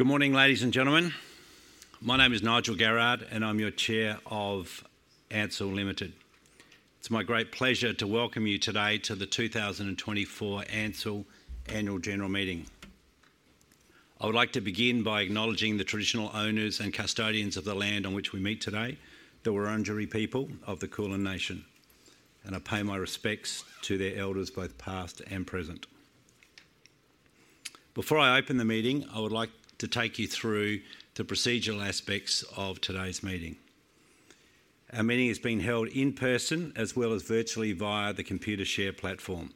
Good morning, ladies and gentlemen. My name is Nigel Garrard, and I'm your Chair of Ansell Limited. It's my great pleasure to welcome you today to the 2024 Ansell Annual General Meeting. I would like to begin by acknowledging the traditional owners and custodians of the land on which we meet today, the Wurundjeri people of the Kulin Nation, and I pay my respects to their elders, both past and present. Before I open the meeting, I would like to take you through the procedural aspects of today's meeting. Our meeting is being held in person, as well as virtually via the Computershare platform,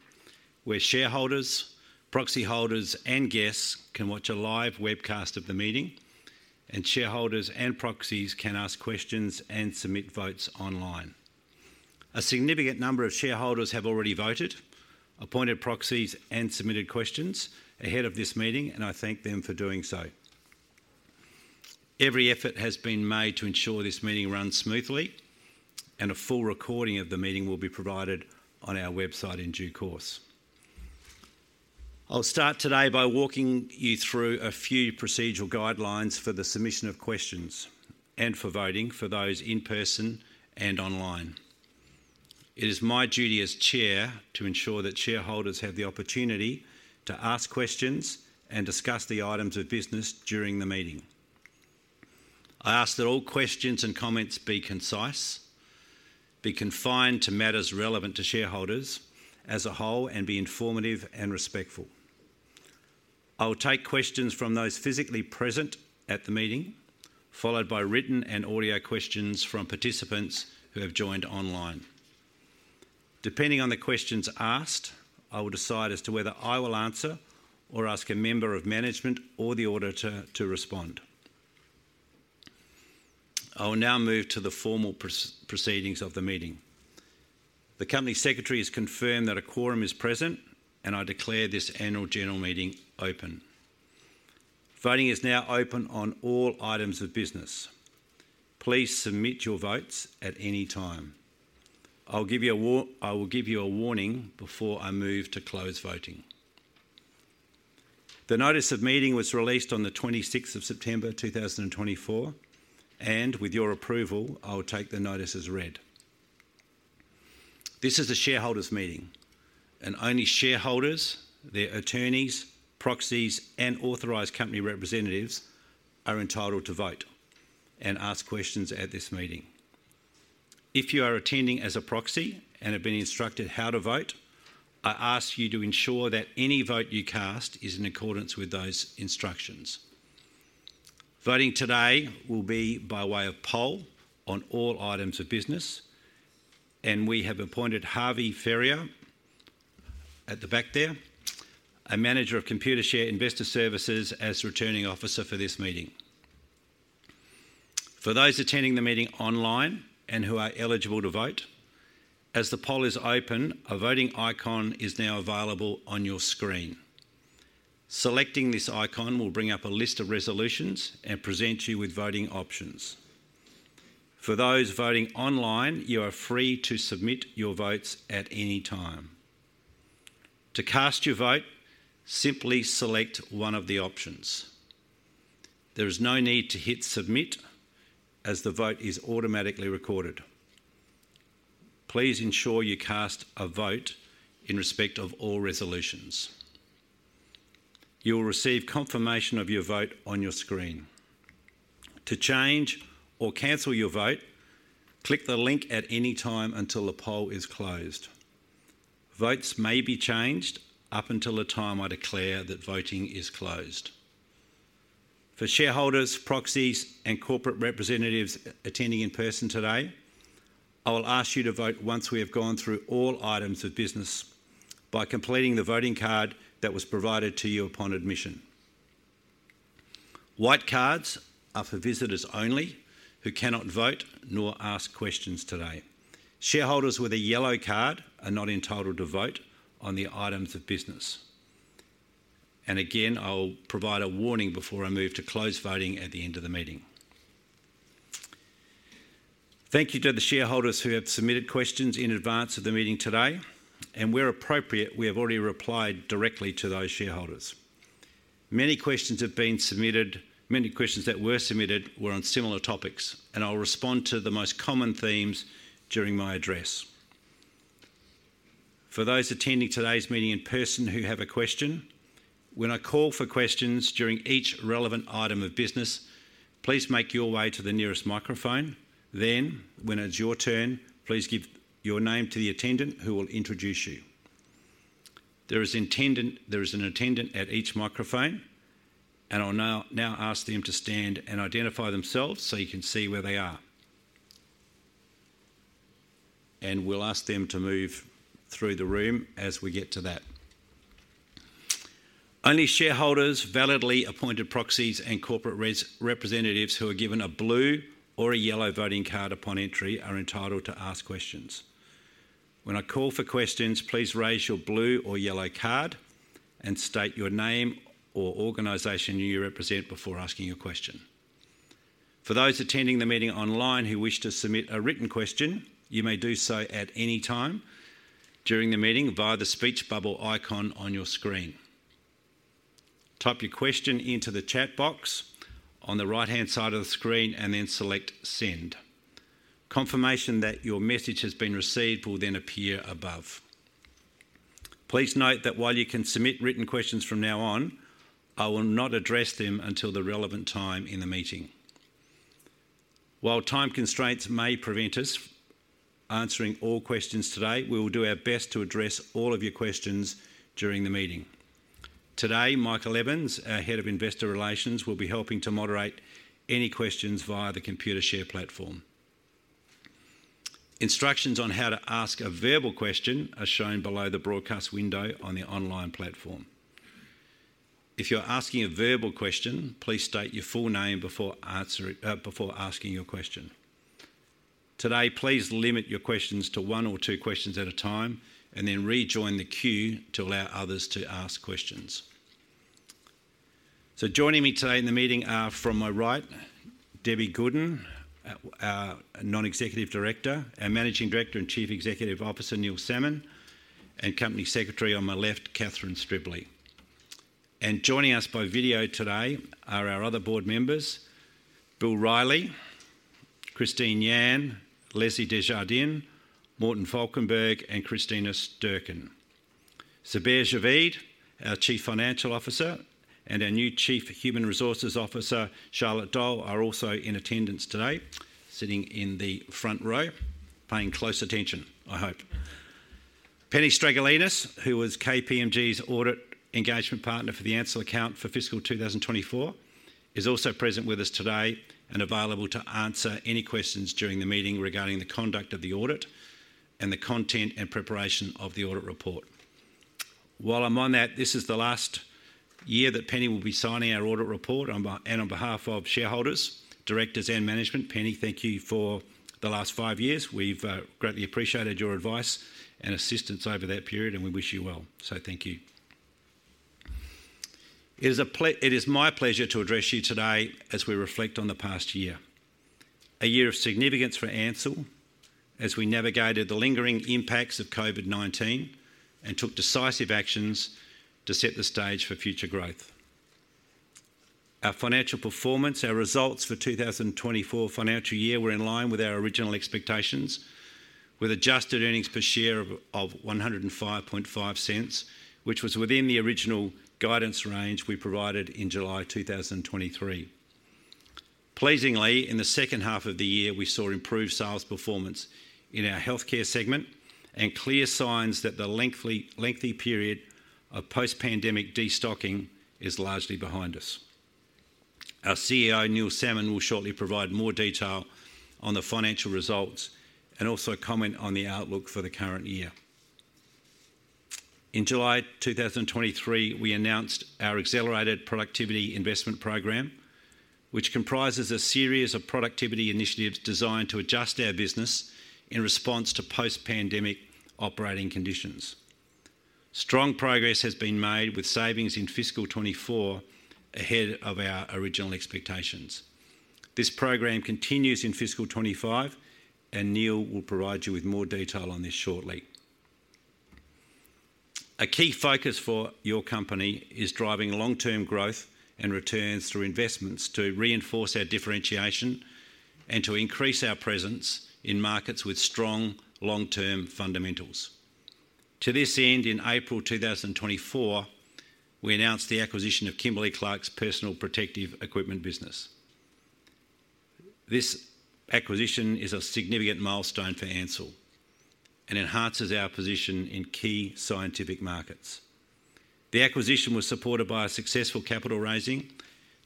where shareholders, proxy holders, and guests can watch a live webcast of the meeting, and shareholders and proxies can ask questions and submit votes online. A significant number of shareholders have already voted, appointed proxies, and submitted questions ahead of this meeting, and I thank them for doing so. Every effort has been made to ensure this meeting runs smoothly, and a full recording of the meeting will be provided on our website in due course. I'll start today by walking you through a few procedural guidelines for the submission of questions and for voting for those in person and online. It is my duty as chair to ensure that shareholders have the opportunity to ask questions and discuss the items of business during the meeting. I ask that all questions and comments be concise, be confined to matters relevant to shareholders as a whole, and be informative and respectful. I will take questions from those physically present at the meeting, followed by written and audio questions from participants who have joined online. Depending on the questions asked, I will decide as to whether I will answer or ask a member of management or the auditor to respond. I will now move to the formal proceedings of the meeting. The company secretary has confirmed that a quorum is present, and I declare this annual general meeting open. Voting is now open on all items of business. Please submit your votes at any time. I will give you a warning before I move to close voting. The Notice of Meeting was released on the twenty-sixth of September, two thousand and twenty-four, and with your approval, I will take the notice as read. This is a shareholders' meeting, and only shareholders, their attorneys, proxies, and authorized company representatives are entitled to vote and ask questions at this meeting. If you are attending as a proxy and have been instructed how to vote, I ask you to ensure that any vote you cast is in accordance with those instructions. Voting today will be by way of poll on all items of business, and we have appointed Harvey Ferrier, at the back there, a manager of Computershare Investor Services, as Returning Officer for this meeting. For those attending the meeting online and who are eligible to vote, as the poll is open, a voting icon is now available on your screen. Selecting this icon will bring up a list of resolutions and present you with voting options. For those voting online, you are free to submit your votes at any time. To cast your vote, simply select one of the options. There is no need to hit Submit, as the vote is automatically recorded. Please ensure you cast a vote in respect of all resolutions. You will receive confirmation of your vote on your screen. To change or cancel your vote, click the link at any time until the poll is closed. Votes may be changed up until the time I declare that voting is closed. For shareholders, proxies, and corporate representatives attending in person today, I will ask you to vote once we have gone through all items of business by completing the voting card that was provided to you upon admission. White cards are for visitors only, who cannot vote nor ask questions today. Shareholders with a yellow card are not entitled to vote on the items of business, and again, I will provide a warning before I move to close voting at the end of the meeting. Thank you to the shareholders who have submitted questions in advance of the meeting today, and where appropriate, we have already replied directly to those shareholders. Many questions have been submitted, many questions that were submitted were on similar topics, and I'll respond to the most common themes during my address. For those attending today's meeting in person who have a question, when I call for questions during each relevant item of business, please make your way to the nearest microphone. Then, when it's your turn, please give your name to the attendant, who will introduce you. There is an attendant at each microphone, and I'll now ask them to stand and identify themselves, so you can see where they are. We'll ask them to move through the room as we get to that. Only shareholders, validly appointed proxies, and corporate representatives who are given a blue or a yellow voting card upon entry are entitled to ask questions. When I call for questions, please raise your blue or yellow card and state your name or organization you represent before asking a question. For those attending the meeting online who wish to submit a written question, you may do so at any time during the meeting via the speech bubble icon on your screen. Type your question into the chat box on the right-hand side of the screen, and then select Send. Confirmation that your message has been received will then appear above. Please note that while you can submit written questions from now on, I will not address them until the relevant time in the meeting. While time constraints may prevent us answering all questions today, we will do our best to address all of your questions during the meeting. Today, Michael Evans, our Head of Investor Relations, will be helping to moderate any questions via the Computershare platform. Instructions on how to ask a verbal question are shown below the broadcast window on the online platform. If you're asking a verbal question, please state your full name before asking your question. Today, please limit your questions to one or two questions at a time, and then rejoin the queue to allow others to ask questions. So joining me today in the meeting are, from my right, Debbie Goodin, our Non-Executive Director, our Managing Director and Chief Executive Officer, Neil Salmon, and Company Secretary on my left, Catherine Stribley. Joining us by video today are our other board members, Bill Reilly, Christine Yan, Leslie Desjardins, Morten Falkenberg, and Christina Stercken. Zubair Javeed, our Chief Financial Officer, and our new Chief Human Resources Officer, Charlotte Dahl, are also in attendance today, sitting in the front row, paying close attention, I hope. Penny Stragalinos, who was KPMG's Audit Engagement Partner for the Ansell account for fiscal two thousand and twenty-four, is also present with us today and available to answer any questions during the meeting regarding the conduct of the audit and the content and preparation of the audit report. While I'm on that, this is the last year that Penny will be signing our audit report on behalf of shareholders, directors, and management. Penny, thank you for the last five years. We've greatly appreciated your advice and assistance over that period, and we wish you well. So thank you. It is my pleasure to address you today as we reflect on the past year. A year of significance for Ansell as we navigated the lingering impacts of COVID-19 and took decisive actions to set the stage for future growth. Our financial performance, our results for two thousand and twenty-four financial year, were in line with our original expectations, with adjusted earnings per share of one hundred and five point five cents, which was within the original guidance range we provided in July two thousand and twenty-three. Pleasingly, in the second half of the year, we saw improved sales performance in our healthcare segment and clear signs that the lengthy period of post-pandemic destocking is largely behind us. Our CEO, Neil Salmon, will shortly provide more detail on the financial results and also comment on the outlook for the current year. In July two thousand and twenty-three, we announced our Accelerated Productivity Investment Program, which comprises a series of productivity initiatives designed to adjust our business in response to post-pandemic operating conditions. Strong progress has been made with savings in fiscal twenty-four ahead of our original expectations. This program continues in fiscal twenty-five, and Neil will provide you with more detail on this shortly. A key focus for your company is driving long-term growth and returns through investments to reinforce our differentiation and to increase our presence in markets with strong long-term fundamentals. To this end, in April two thousand and twenty-four, we announced the acquisition of Kimberly-Clark's Personal Protective Equipment business. This acquisition is a significant milestone for Ansell and enhances our position in key scientific markets. The acquisition was supported by a successful capital raising,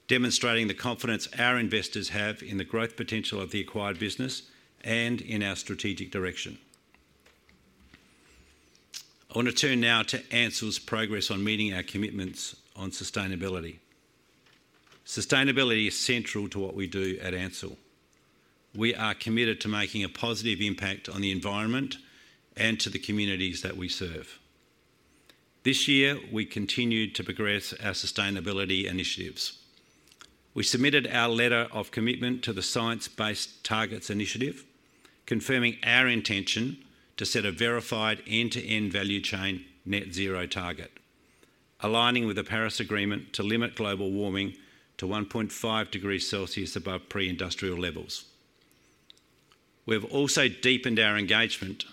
demonstrating the confidence our investors have in the growth potential of the acquired business and in our strategic direction. I want to turn now to Ansell's progress on meeting our commitments on sustainability. Sustainability is central to what we do at Ansell. We are committed to making a positive impact on the environment and to the communities that we serve. This year, we continued to progress our sustainability initiatives. We submitted our letter of commitment to the Science Based Targets initiative, confirming our intention to set a verified end-to-end value chain net zero target, aligning with the Paris Agreement to limit global warming to one point five degrees Celsius above pre-industrial levels. We've also deepened our engagement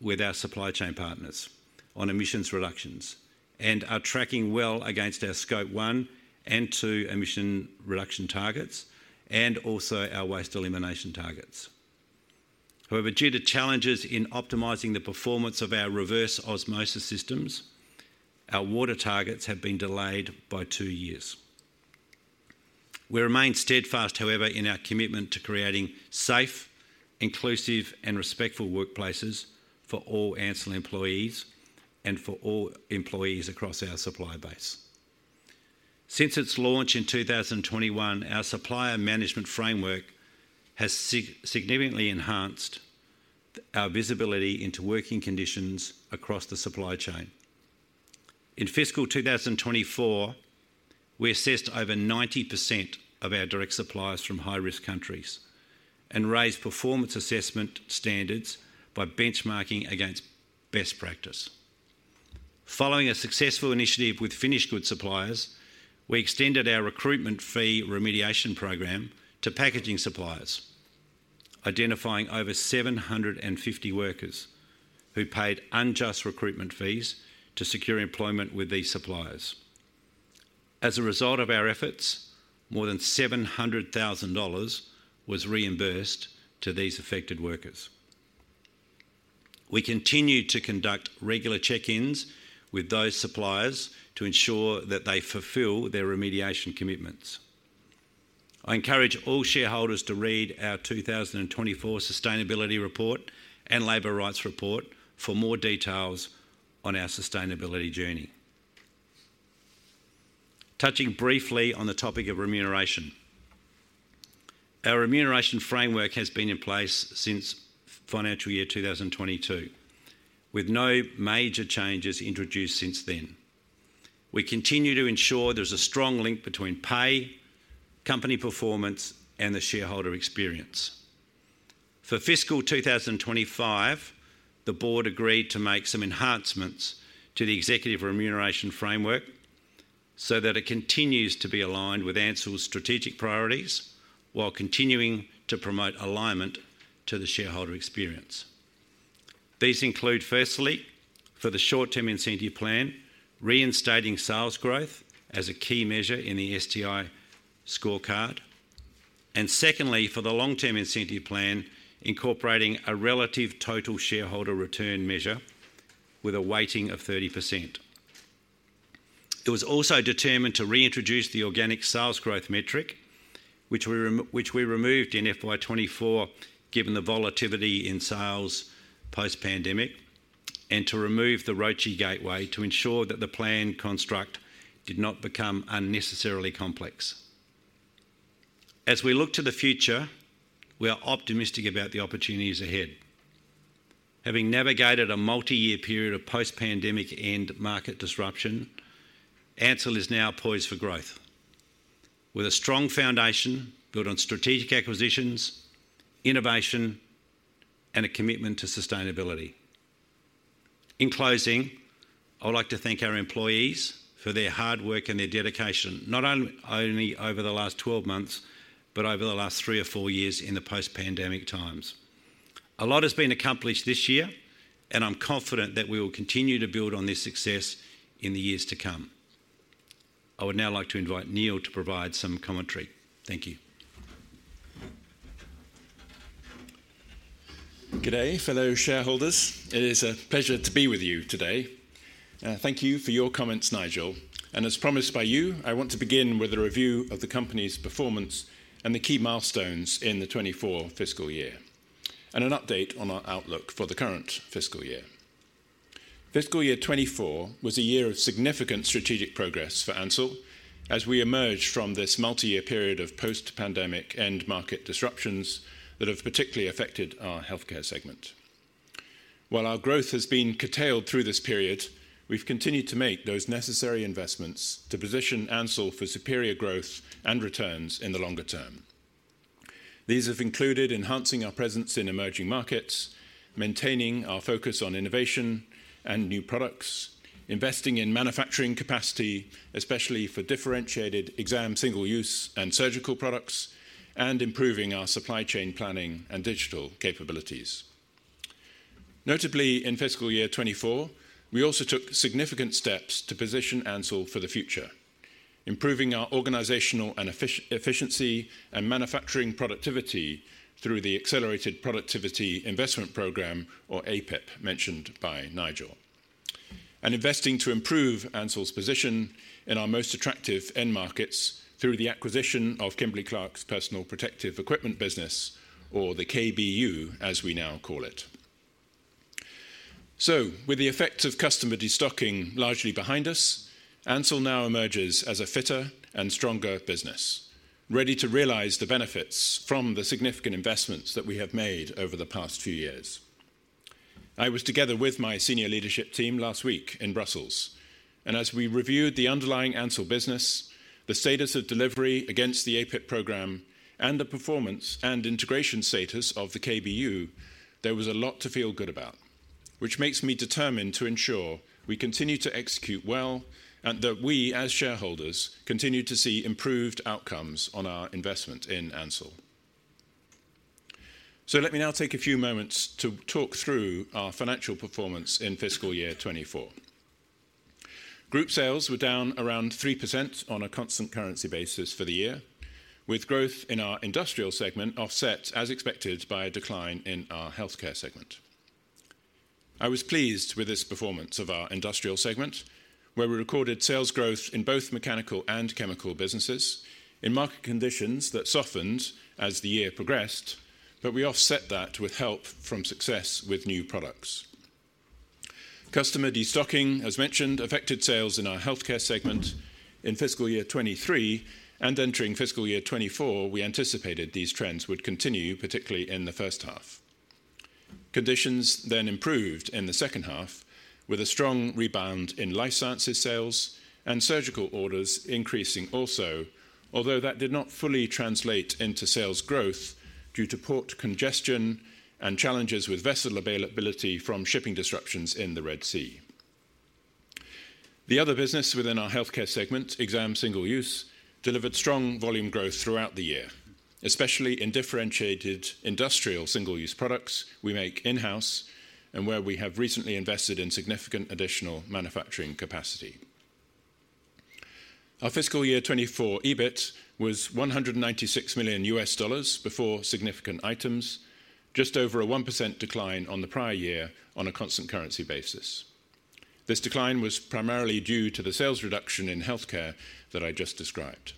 with our supply chain partners on emissions reductions and are tracking well against our Scope 1 and 2 emission reduction targets and also our waste elimination targets. However, due to challenges in optimizing the performance of our reverse osmosis systems, our water targets have been delayed by two years. We remain steadfast, however, in our commitment to creating safe, inclusive and respectful workplaces for all Ansell employees and for all employees across our supplier base. Since its launch in two thousand and twenty-one, our Supplier Management Framework has significantly enhanced our visibility into working conditions across the supply chain. In fiscal two thousand and twenty-four, we assessed over 90% of our direct suppliers from high-risk countries and raised performance assessment standards by benchmarking against best practice. Following a successful initiative with finished goods suppliers, we extended our recruitment fee remediation program to packaging suppliers, identifying over 750 workers who paid unjust recruitment fees to secure employment with these suppliers. As a result of our efforts, more than 700,000 dollars was reimbursed to these affected workers. We continue to conduct regular check-ins with those suppliers to ensure that they fulfill their remediation commitments. I encourage all shareholders to read our 2024 Sustainability Report and Labor Rights Report for more details on our sustainability journey. Touching briefly on the topic of remuneration. Our remuneration framework has been in place since financial year 2022, with no major changes introduced since then. We continue to ensure there's a strong link between pay, company performance, and the shareholder experience. For fiscal 2025, the board agreed to make some enhancements to the executive remuneration framework so that it continues to be aligned with Ansell's strategic priorities, while continuing to promote alignment to the shareholder experience. These include, firstly, for the Short-Term Incentive Plan, reinstating sales growth as a key measure in the STI scorecard, and secondly, for the Long-Term Incentive Plan, incorporating a relative Total Shareholder Return measure with a weighting of 30%. It was also determined to reintroduce the organic sales growth metric, which we removed in FY 2024, given the volatility in sales post-pandemic, and to remove the ROIC gateway to ensure that the plan construct did not become unnecessarily complex. As we look to the future, we are optimistic about the opportunities ahead. Having navigated a multi-year period of post-pandemic end market disruption, Ansell is now poised for growth, with a strong foundation built on strategic acquisitions, innovation, and a commitment to sustainability. In closing, I would like to thank our employees for their hard work and their dedication, not only over the last twelve months, but over the last three or four years in the post-pandemic times. A lot has been accomplished this year, and I'm confident that we will continue to build on this success in the years to come. I would now like to invite Neil to provide some commentary. Thank you. G'day, fellow shareholders. It is a pleasure to be with you today. Thank you for your comments, Nigel, and as promised by you, I want to begin with a review of the company's performance and the key milestones in the twenty-four fiscal year, and an update on our outlook for the current fiscal year. Fiscal year twenty-four was a year of significant strategic progress for Ansell as we emerged from this multi-year period of post-pandemic end market disruptions that have particularly affected our healthcare segment. While our growth has been curtailed through this period, we've continued to make those necessary investments to position Ansell for superior growth and returns in the longer term. These have included enhancing our presence in emerging markets, maintaining our focus on innovation and new products, investing in manufacturing capacity, especially for differentiated exam, single-use, and surgical products, and improving our supply chain planning and digital capabilities. Notably, in fiscal year twenty-four, we also took significant steps to position Ansell for the future, improving our organizational and efficiency and manufacturing productivity through the Accelerated Productivity Investment Program, or APIP, mentioned by Nigel, and investing to improve Ansell's position in our most attractive end markets through the acquisition of Kimberly-Clark's personal protective equipment business or the KBU, as we now call it. With the effect of customer destocking largely behind us, Ansell now emerges as a fitter and stronger business, ready to realize the benefits from the significant investments that we have made over the past few years. I was together with my senior leadership team last week in Brussels, and as we reviewed the underlying Ansell business, the status of delivery against the APIP program, and the performance and integration status of the KBU, there was a lot to feel good about, which makes me determined to ensure we continue to execute well and that we, as shareholders, continue to see improved outcomes on our investment in Ansell. Let me now take a few moments to talk through our financial performance in fiscal year 2024. Group sales were down around 3% on a constant currency basis for the year, with growth in our industrial segment offset, as expected, by a decline in our healthcare segment. I was pleased with this performance of our industrial segment, where we recorded sales growth in both mechanical and chemical businesses, in market conditions that softened as the year progressed, but we offset that with help from success with new products. Customer destocking, as mentioned, affected sales in our healthcare segment in fiscal year 2023, and entering fiscal year 2024, we anticipated these trends would continue, particularly in the first half. Conditions then improved in the second half, with a strong rebound in glove sales and surgical orders increasing also, although that did not fully translate into sales growth due to port congestion and challenges with vessel availability from shipping disruptions in the Red Sea. The other business within our healthcare segment, exam single use, delivered strong volume growth throughout the year, especially in differentiated industrial single-use products we make in-house, and where we have recently invested in significant additional manufacturing capacity. Our fiscal year 2024 EBIT was $196 million before significant items, just over a 1% decline on the prior year on a constant currency basis. This decline was primarily due to the sales reduction in healthcare that I just described.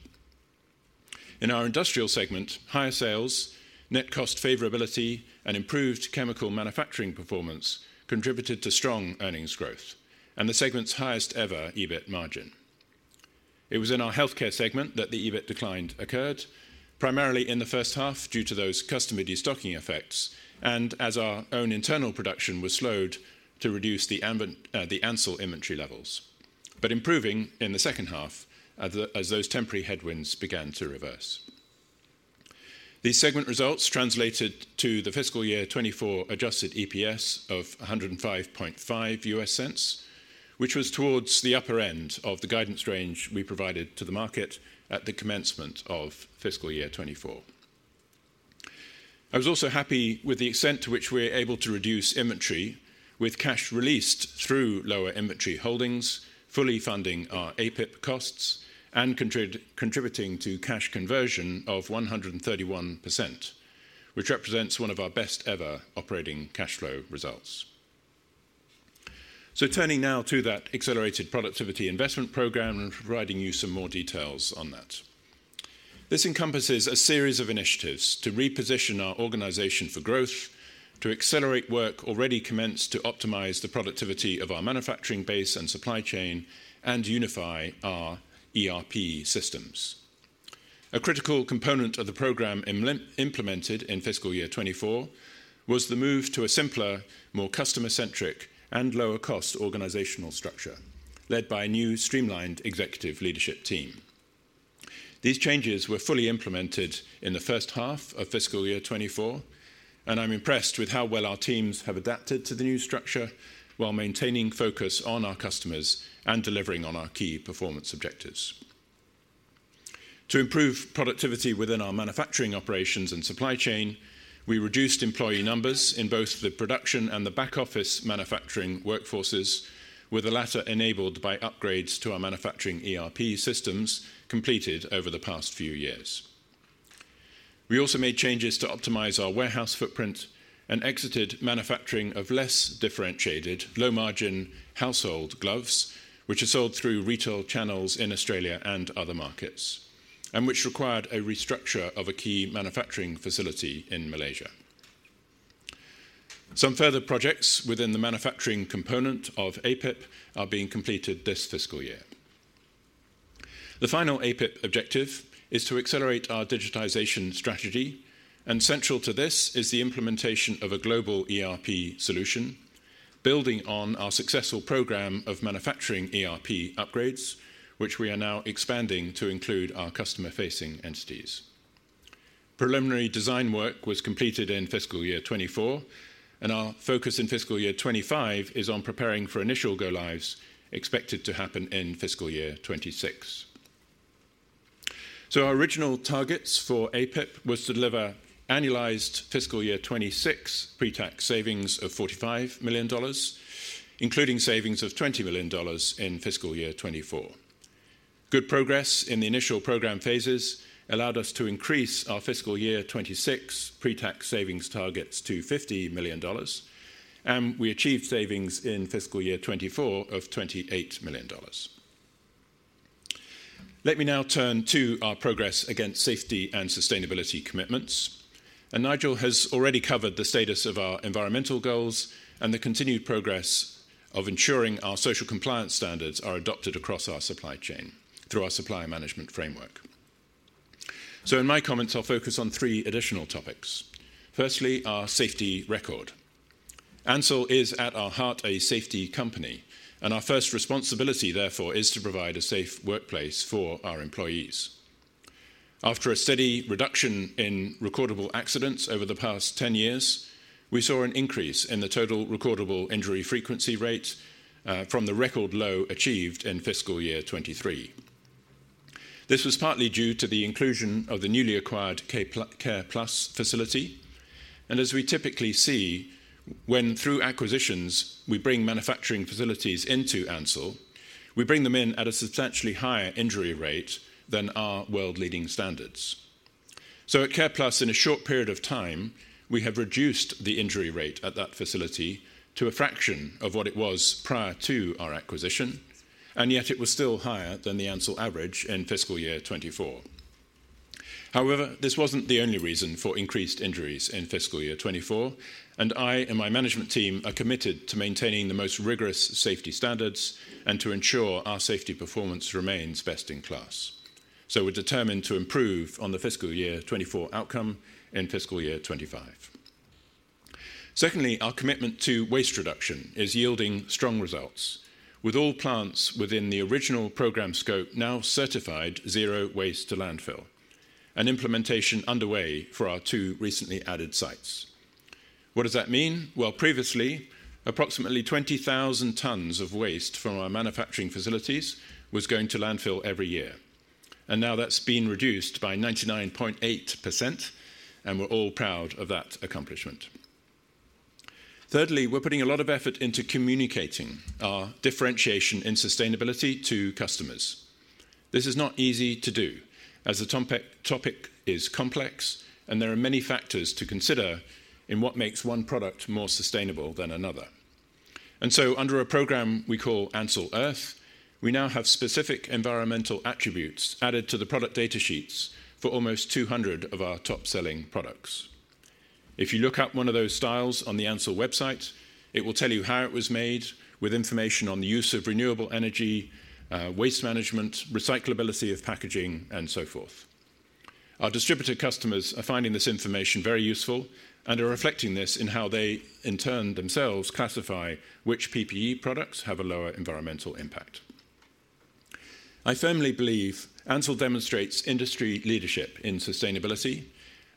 In our industrial segment, higher sales, net cost favorability, and improved chemical manufacturing performance contributed to strong earnings growth and the segment's highest-ever EBIT margin. It was in our healthcare segment that the EBIT decline occurred, primarily in the first half, due to those customer destocking effects and as our own internal production was slowed to reduce the Ansell inventory levels, but improving in the second half as those temporary headwinds began to reverse. These segment results translated to the fiscal year 2024 adjusted EPS of $1.055, which was towards the upper end of the guidance range we provided to the market at the commencement of fiscal year 2024. I was also happy with the extent to which we were able to reduce inventory, with cash released through lower inventory holdings, fully funding our APIP costs and contributing to cash conversion of 131%, which represents one of our best ever operating cash flow results. Turning now to that accelerated productivity investment program and providing you some more details on that. This encompasses a series of initiatives to reposition our organization for growth, to accelerate work already commenced to optimize the productivity of our manufacturing base and supply chain and unify our ERP systems. A critical component of the program implemented in fiscal year 2024 was the move to a simpler, more customer-centric, and lower-cost organizational structure, led by a new, streamlined executive leadership team. These changes were fully implemented in the first half of fiscal year 2024, and I'm impressed with how well our teams have adapted to the new structure while maintaining focus on our customers and delivering on our key performance objectives. To improve productivity within our manufacturing operations and supply chain, we reduced employee numbers in both the production and the back-office manufacturing workforces, with the latter enabled by upgrades to our manufacturing ERP systems completed over the past few years. We also made changes to optimize our warehouse footprint and exited manufacturing of less differentiated, low-margin household gloves, which are sold through retail channels in Australia and other markets, and which required a restructure of a key manufacturing facility in Malaysia. Some further projects within the manufacturing component of APIP are being completed this fiscal year. The final APIP objective is to accelerate our digitization strategy, and central to this is the implementation of a global ERP solution, building on our successful program of manufacturing ERP upgrades, which we are now expanding to include our customer-facing entities. Preliminary design work was completed in fiscal year 2024, and our focus in fiscal year 2025 is on preparing for initial go-lives expected to happen in fiscal year 2026. So our original targets for APIP was to deliver annualized fiscal year 2026 pre-tax savings of 45 million dollars, including savings of 20 million dollars in fiscal year 2024. Good progress in the initial program phases allowed us to increase our fiscal year 2026 pre-tax savings targets to 50 million dollars, and we achieved savings in fiscal year 2024 of 28 million dollars. Let me now turn to our progress against safety and sustainability commitments. And Nigel has already covered the status of our environmental goals and the continued progress of ensuring our social compliance standards are adopted across our supply chain through our supply management framework. So in my comments, I'll focus on three additional topics. Firstly, our safety record. Ansell is, at our heart, a safety company, and our first responsibility, therefore, is to provide a safe workplace for our employees. After a steady reduction in recordable accidents over the past ten years, we saw an increase in the total recordable injury frequency rate from the record low achieved in fiscal year 2023. This was partly due to the inclusion of the newly acquired Careplus facility, and as we typically see, when through acquisitions, we bring manufacturing facilities into Ansell, we bring them in at a substantially higher injury rate than our world-leading standards, so at Careplus, in a short period of time, we have reduced the injury rate at that facility to a fraction of what it was prior to our acquisition, and yet it was still higher than the Ansell average in fiscal year 2024. However, this wasn't the only reason for increased injuries in fiscal year 2024, and I and my management team are committed to maintaining the most rigorous safety standards and to ensure our safety performance remains best in class. So we're determined to improve on the fiscal year 2024 outcome in fiscal year 2025. Secondly, our commitment to waste reduction is yielding strong results, with all plants within the original program scope now certified zero waste to landfill, and implementation underway for our two recently added sites. What does that mean? Well, previously, approximately 20,000 tons of waste from our manufacturing facilities was going to landfill every year, and now that's been reduced by 99.8%, and we're all proud of that accomplishment. Thirdly, we're putting a lot of effort into communicating our differentiation in sustainability to customers. This is not easy to do, as the topic is complex, and there are many factors to consider in what makes one product more sustainable than another. And so under a program we call Ansell Earth, we now have specific environmental attributes added to the product data sheets for almost 200 of our top-selling products. If you look up one of those styles on the Ansell website, it will tell you how it was made, with information on the use of renewable energy, waste management, recyclability of packaging, and so forth. Our distributor customers are finding this information very useful and are reflecting this in how they, in turn, themselves classify which PPE products have a lower environmental impact. I firmly believe Ansell demonstrates industry leadership in sustainability,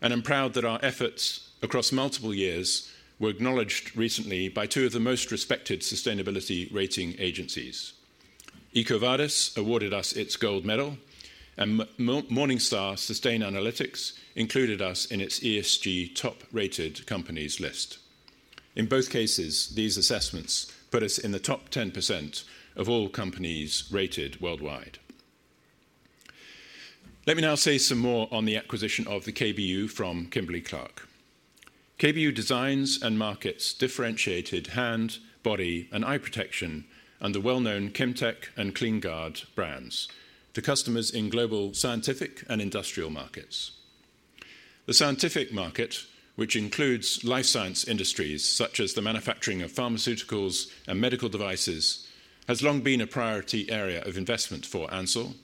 and I'm proud that our efforts across multiple years were acknowledged recently by two of the most respected sustainability rating agencies. EcoVadis awarded us its Gold Medal, and Morningstar Sustainalytics included us in its ESG Top-Rated Companies list. In both cases, these assessments put us in the top 10% of all companies rated worldwide. Let me now say some more on the acquisition of the KBU from Kimberly-Clark. KBU designs and markets differentiated hand, body, and eye protection under well-known Kimtech and KleenGuard brands to customers in global, scientific, and industrial markets. The scientific market, which includes life science industries such as the manufacturing of pharmaceuticals and medical devices, has long been a priority area of investment for Ansell,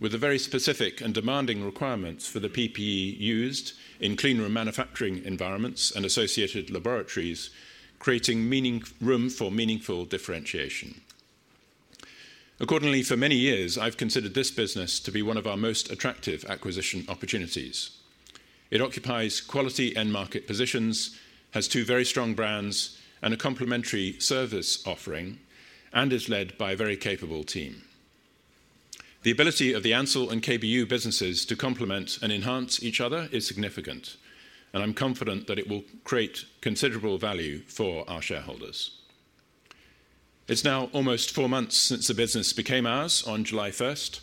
with the very specific and demanding requirements for the PPE used in cleanroom manufacturing environments and associated laboratories, creating room for meaningful differentiation. Accordingly, for many years, I've considered this business to be one of our most attractive acquisition opportunities. It occupies quality end market positions, has two very strong brands and a complementary service offering, and is led by a very capable team. The ability of the Ansell and KBU businesses to complement and enhance each other is significant, and I'm confident that it will create considerable value for our shareholders. It's now almost four months since the business became ours on July first,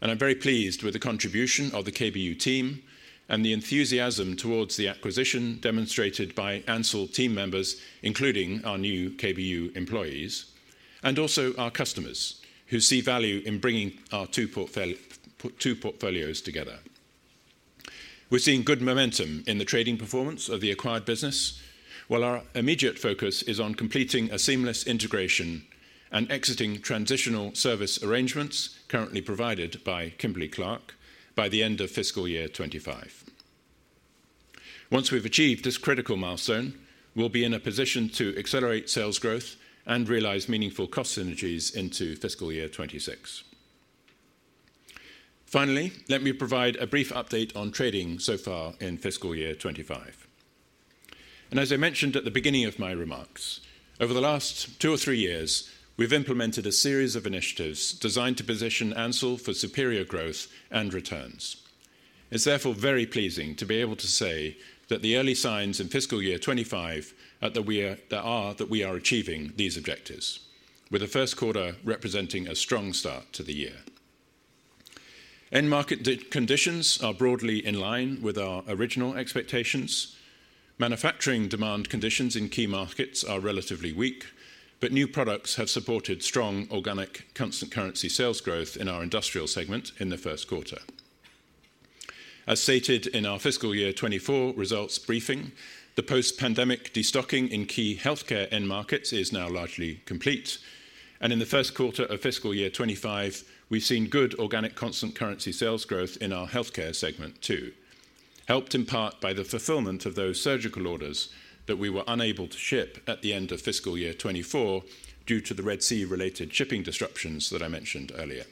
and I'm very pleased with the contribution of the KBU team and the enthusiasm towards the acquisition demonstrated by Ansell team members, including our new KBU employees, and also our customers, who see value in bringing our two portfolios together. We're seeing good momentum in the trading performance of the acquired business, while our immediate focus is on completing a seamless integration and exiting transitional service arrangements currently provided by Kimberly-Clark by the end of fiscal year twenty-five. Once we've achieved this critical milestone, we'll be in a position to accelerate sales growth and realize meaningful cost synergies into fiscal year twenty-six. Finally, let me provide a brief update on trading so far in fiscal year twenty-five. As I mentioned at the beginning of my remarks, over the last two or three years, we've implemented a series of initiatives designed to position Ansell for superior growth and returns. It's therefore very pleasing to be able to say that the early signs in fiscal year 2025, that we are achieving these objectives, with the first quarter representing a strong start to the year. End market demand conditions are broadly in line with our original expectations. Manufacturing demand conditions in key markets are relatively weak, but new products have supported strong organic constant currency sales growth in our industrial segment in the first quarter. As stated in our fiscal year twenty-four results briefing, the post-pandemic destocking in key healthcare end markets is now largely complete, and in the first quarter of fiscal year twenty-five, we've seen good organic constant currency sales growth in our healthcare segment, too, helped in part by the fulfillment of those surgical orders that we were unable to ship at the end of fiscal year twenty-four due to the Red Sea-related shipping disruptions that I mentioned earlier.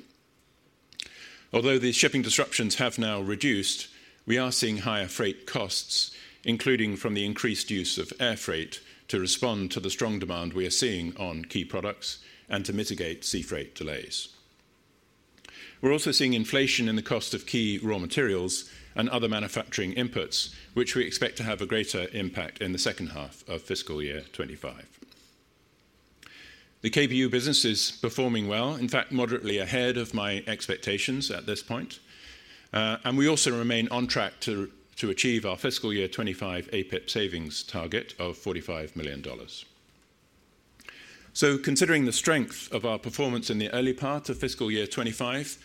Although these shipping disruptions have now reduced, we are seeing higher freight costs, including from the increased use of air freight, to respond to the strong demand we are seeing on key products and to mitigate sea freight delays. We're also seeing inflation in the cost of key raw materials and other manufacturing inputs, which we expect to have a greater impact in the second half of fiscal year twenty-five. The KBU business is performing well, in fact, moderately ahead of my expectations at this point, and we also remain on track to achieve our fiscal year twenty-five APIP savings target of $45 million. So considering the strength of our performance in the early part of fiscal year twenty-five,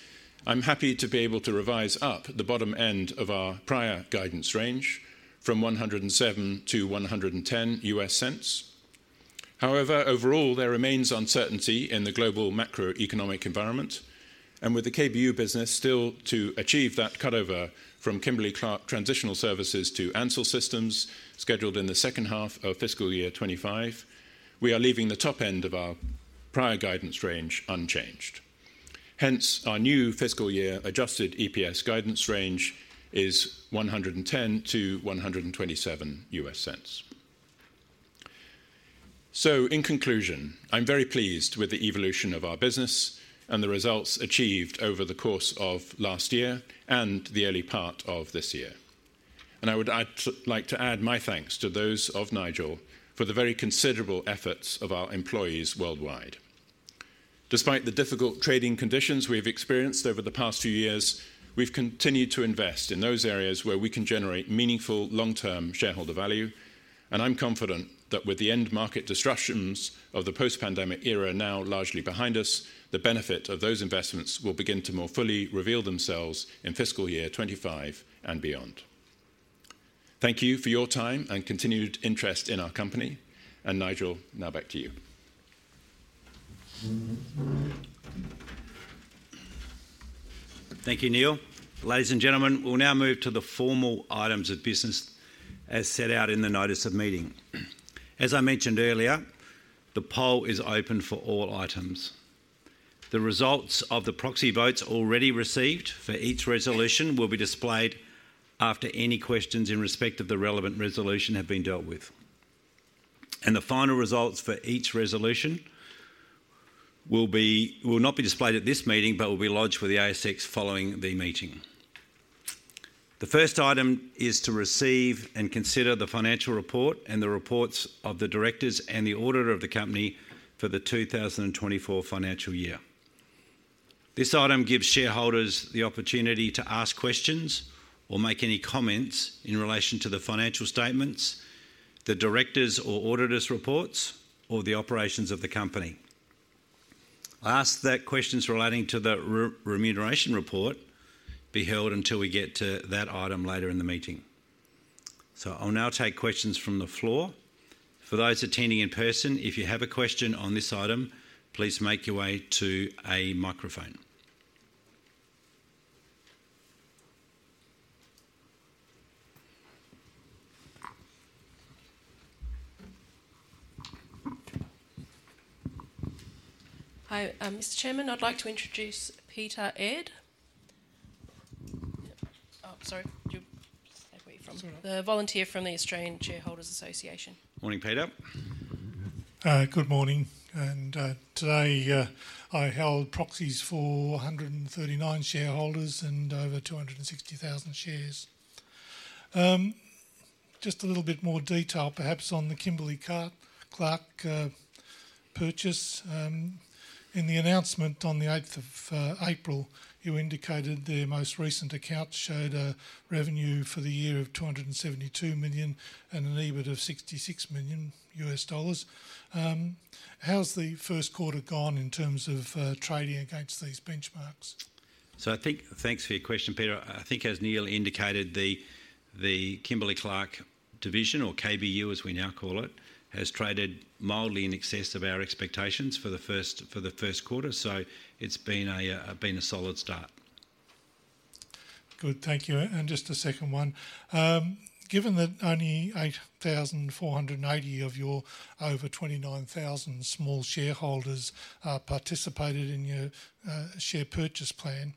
I'm happy to be able to revise up the bottom end of our prior guidance range from 107 to 110 US cents. However, overall, there remains uncertainty in the global macroeconomic environment, and with the KBU business still to achieve that cutover from Kimberly-Clark Transitional Services to Ansell systems, scheduled in the second half of fiscal year twenty-five, we are leaving the top end of our prior guidance range unchanged. Hence, our new fiscal year adjusted EPS guidance range is 110 to 127 US cents. So in conclusion, I'm very pleased with the evolution of our business and the results achieved over the course of last year and the early part of this year, and I would like to add my thanks to those of Nigel for the very considerable efforts of our employees worldwide. Despite the difficult trading conditions we've experienced over the past few years, we've continued to invest in those areas where we can generate meaningful, long-term shareholder value. And I'm confident that with the end market disruptions of the post-pandemic era now largely behind us, the benefit of those investments will begin to more fully reveal themselves in fiscal year 2025 and beyond. Thank you for your time and continued interest in our company. And Nigel, now back to you. Thank you, Neil. Ladies and gentlemen, we'll now move to the formal items of business as set out in the notice of meeting. As I mentioned earlier, the poll is open for all items. The results of the proxy votes already received for each resolution will be displayed after any questions in respect of the relevant resolution have been dealt with. And the final results for each resolution will not be displayed at this meeting, but will be lodged with the ASX following the meeting. The first item is to receive and consider the financial report and the reports of the directors and the auditor of the company for the two thousand and twenty-four financial year. This item gives shareholders the opportunity to ask questions or make any comments in relation to the financial statements, the directors' or auditors' reports, or the operations of the company. I ask that questions relating to the Remuneration Report be held until we get to that item later in the meeting. So I'll now take questions from the floor. For those attending in person, if you have a question on this item, please make your way to a microphone. Hi, Mr. Chairman, I'd like to introduce Peter Aird. Oh, sorry, you say where you're from. It's all right. The volunteer from the Australian Shareholders' Association. Morning, Peter. Good morning, and today I hold proxies for 139 shareholders and over 260,000 shares. Just a little bit more detail, perhaps on the Kimberly-Clark purchase. In the announcement on the eighth of April, you indicated their most recent accounts showed a revenue for the year of $272 million and an EBIT of $66 million. How's the first quarter gone in terms of trading against these benchmarks? Thanks for your question, Peter. I think as Neil indicated, the Kimberly-Clark division, or KBU, as we now call it, has traded mildly in excess of our expectations for the first quarter. It's been a solid start. Good. Thank you. Just a second one: Given that only eight thousand four hundred and eighty of your over twenty-nine thousand small shareholders participated in your share purchase plan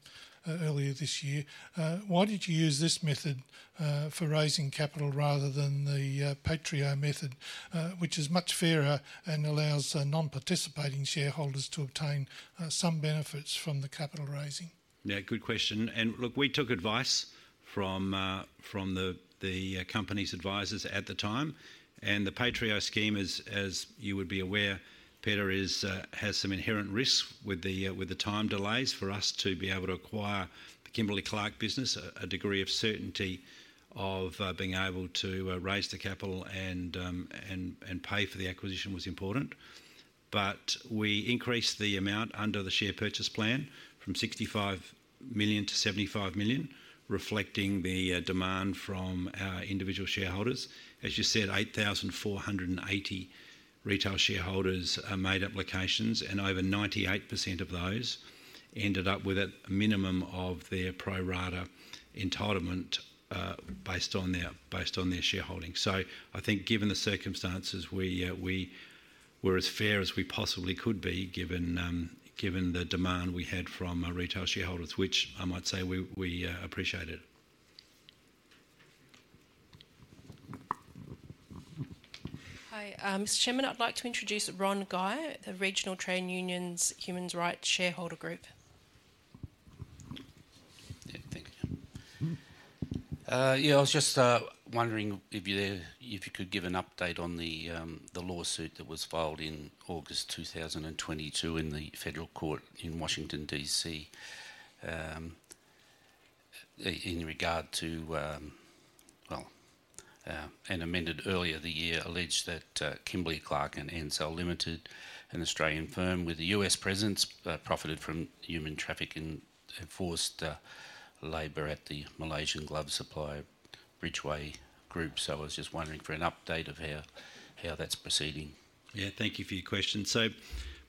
earlier this year, why did you use this method for raising capital rather than the pro rata method, which is much fairer and allows non-participating shareholders to obtain some benefits from the capital raising? Yeah, good question. And look, we took advice from the company's advisors at the time, and the pro rata scheme is, as you would be aware, Peter, has some inherent risks with the time delays. For us to be able to acquire the Kimberly-Clark business, a degree of certainty of being able to raise the capital and pay for the acquisition was important. But we increased the amount under the share purchase plan from 65 million to 75 million, reflecting the demand from our individual shareholders. As you said, 8,480 retail shareholders made applications, and over 98% of those ended up with a minimum of their pro rata entitlement based on their shareholding. So I think given the circumstances, we were as fair as we possibly could be, given the demand we had from our retail shareholders, which I might say we appreciated. Hi, Mr. Chairman, I'd like to introduce Ron Guy, the Regional Trade Union Human Rights Shareholder Group. Yeah. Thank you. Yeah, I was just wondering if you could give an update on the lawsuit that was filed in August two thousand and twenty-two in the federal court in Washington, D.C., in regard to, well, and amended earlier the year, alleged that Kimberly-Clark and Ansell Limited, an Australian firm with a US presence, profited from human trafficking and forced labor at the Malaysian glove supplier Brightway Group, so I was just wondering for an update of how that's proceeding? Yeah, thank you for your question. So,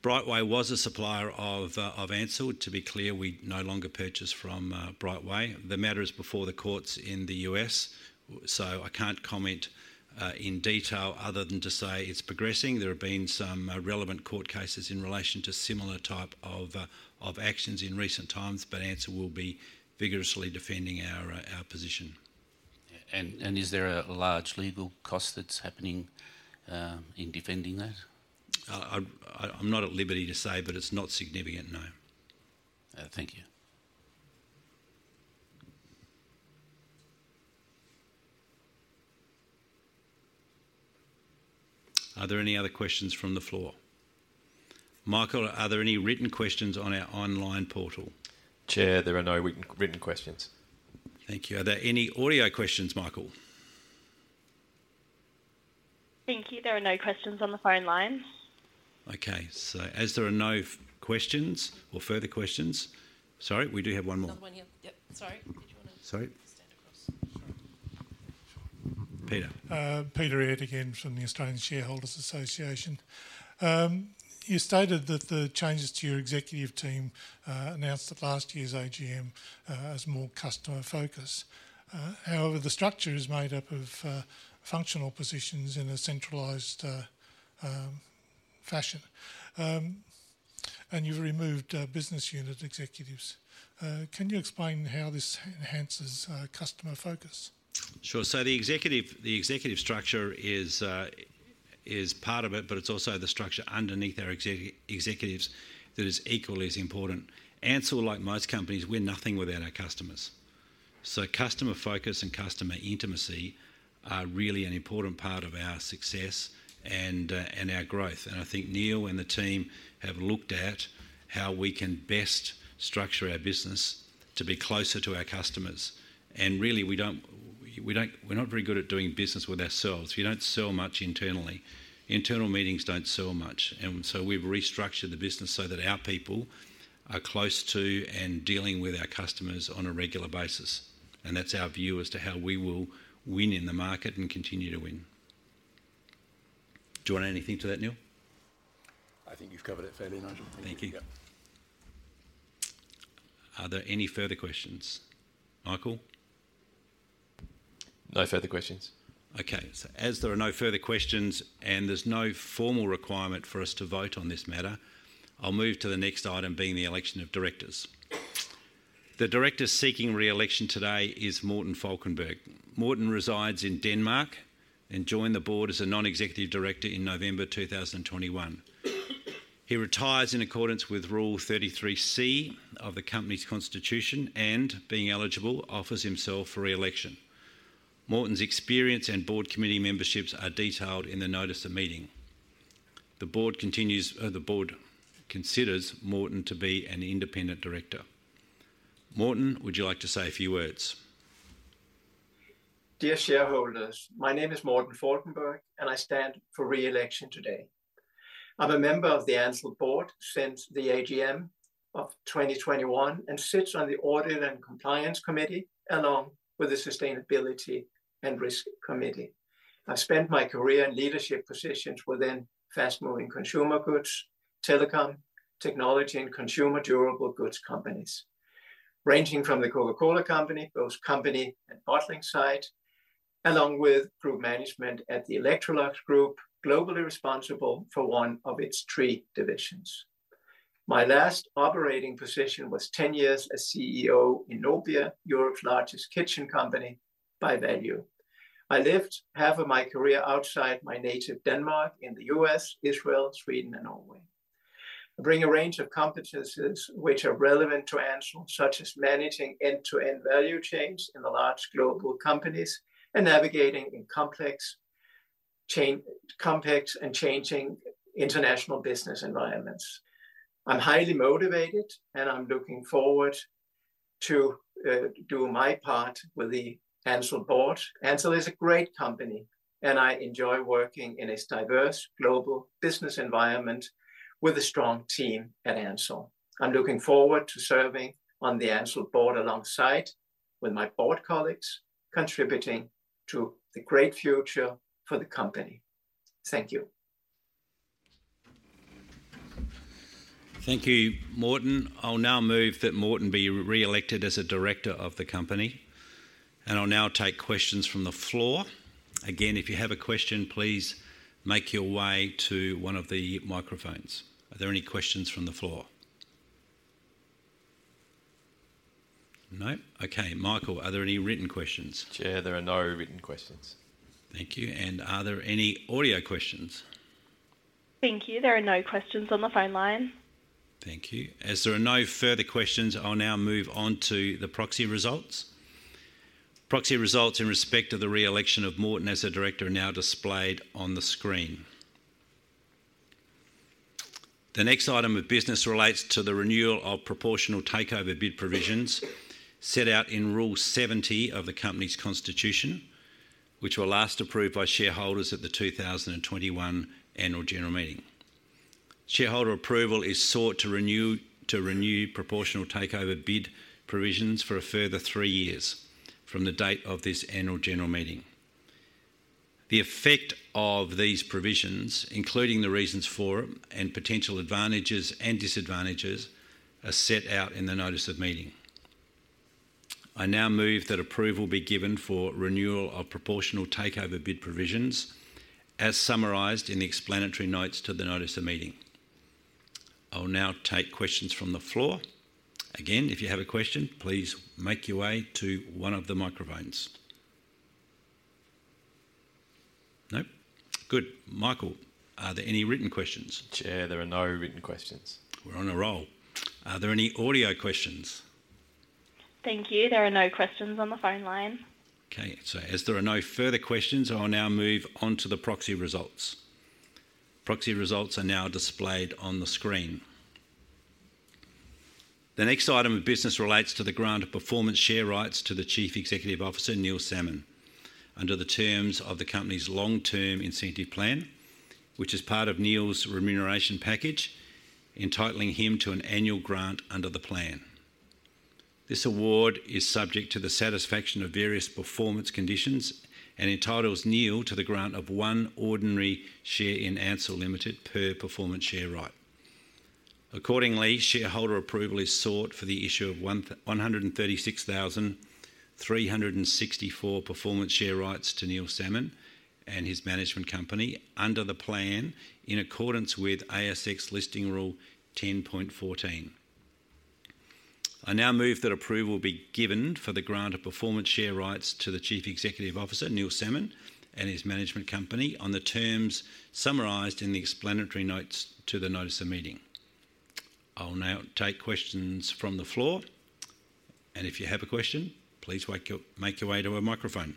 Brightway was a supplier of Ansell. To be clear, we no longer purchase from Brightway. The matter is before the courts in the US, so I can't comment in detail other than to say it's progressing. There have been some relevant court cases in relation to similar type of actions in recent times, but Ansell will be vigorously defending our position. Is there a large legal cost that's happening in defending that? I'm not at liberty to say, but it's not significant, no. Thank you. Are there any other questions from the floor? Michael, are there any written questions on our online portal? Chair, there are no written questions. Thank you. Are there any audio questions, Michael? Thank you. There are no questions on the phone lines. Okay, so as there are no questions or further questions... Sorry, we do have one more. There's one here. Yep, sorry. Did you wanna- Sorry. Stand across. Sure. Peter. Peter Aird again from the Australian Shareholders' Association. You stated that the changes to your executive team, announced at last year's AGM, as more customer focus. However, the structure is made up of functional positions in a centralized fashion. And you've removed business unit executives. Can you explain how this enhances customer focus? Sure, so the executive structure is part of it, but it's also the structure underneath our executives that is equally as important. Ansell, like most companies, we're nothing without our customers, so customer focus and customer intimacy are really an important part of our success and our growth, and I think Neil and the team have looked at how we can best structure our business to be closer to our customers, and really, we don't. We're not very good at doing business with ourselves. We don't sell much internally. Internal meetings don't sell much, and so we've restructured the business so that our people are close to and dealing with our customers on a regular basis, and that's our view as to how we will win in the market and continue to win. Do you want to add anything to that, Neil? I think you've covered it fairly, Nigel. Thank you. Yep. Are there any further questions? Michael? No further questions. Okay, so as there are no further questions, and there's no formal requirement for us to vote on this matter, I'll move to the next item, being the election of directors. The director seeking re-election today is Morten Falkenberg. Morten resides in Denmark and joined the board as a non-executive director in November 2021. He retires in accordance with Rule 33C of the company's constitution and, being eligible, offers himself for re-election. Morten's experience and board committee memberships are detailed in the notice of meeting. The board continues. The board considers Morten to be an independent director. Morten, would you like to say a few words? Dear shareholders, my name is Morten Falkenberg, and I stand for re-election today. I'm a member of the Ansell board since the AGM of 2021, and sits on the Audit and Compliance Committee, along with the Sustainability and Risk Committee. I spent my career in leadership positions within fast-moving consumer goods, telecom, technology, and consumer durable goods companies, ranging from the Coca-Cola Company, both company and bottling site, along with group management at the Electrolux Group, globally responsible for one of its three divisions. My last operating position was ten years as CEO in Nobia, Europe's largest kitchen company by value. I lived half of my career outside my native Denmark in the U.S., Israel, Sweden, and Norway. I bring a range of competencies which are relevant to Ansell, such as managing end-to-end value chains in the large global companies and navigating in complex chain, complex and changing international business environments. I'm highly motivated, and I'm looking forward to do my part with the Ansell board. Ansell is a great company, and I enjoy working in its diverse global business environment with a strong team at Ansell. I'm looking forward to serving on the Ansell board alongside with my board colleagues, contributing to the great future for the company. Thank you. Thank you, Morten. I'll now move that Morten be re-elected as a director of the company, and I'll now take questions from the floor. Again, if you have a question, please make your way to one of the microphones. Are there any questions from the floor? No? Okay. Michael, are there any written questions? Chair, there are no written questions. Thank you, and are there any audio questions? Thank you. There are no questions on the phone line. Thank you. As there are no further questions, I'll now move on to the proxy results. Proxy results in respect of the re-election of Morten as a director are now displayed on the screen. The next item of business relates to the renewal of proportional takeover bid provisions set out in Rule 70 of the company's constitution, which were last approved by shareholders at the 2021 annual general meeting. Shareholder approval is sought to renew proportional takeover bid provisions for a further three years from the date of this annual general meeting. The effect of these provisions, including the reasons for them and potential advantages and disadvantages, are set out in the notice of meeting. I now move that approval be given for renewal of proportional takeover bid provisions, as summarized in the explanatory notes to the notice of meeting. I'll now take questions from the floor. Again, if you have a question, please make your way to one of the microphones. Nope? Good. Michael, are there any written questions? Chair, there are no written questions. We're on a roll. Are there any audio questions? Thank you. There are no questions on the phone line. Okay, so as there are no further questions, I will now move on to the proxy results. Proxy results are now displayed on the screen. The next item of business relates to the grant of performance share rights to the Chief Executive Officer, Neil Salmon, under the terms of the company's long-term incentive plan, which is part of Neil's remuneration package, entitling him to an annual grant under the plan. This award is subject to the satisfaction of various performance conditions and entitles Neil to the grant of one ordinary share in Ansell Limited per performance share right. Accordingly, shareholder approval is sought for the issue of one hundred and thirty-six thousand three hundred and sixty-four performance share rights to Neil Salmon and his management company under the plan, in accordance with ASX listing rule ten point fourteen. I now move that approval be given for the grant of performance share rights to the Chief Executive Officer, Neil Salmon, and his management company, on the terms summarized in the explanatory notes to the notice of meeting. I'll now take questions from the floor, and if you have a question, please make your way to a microphone.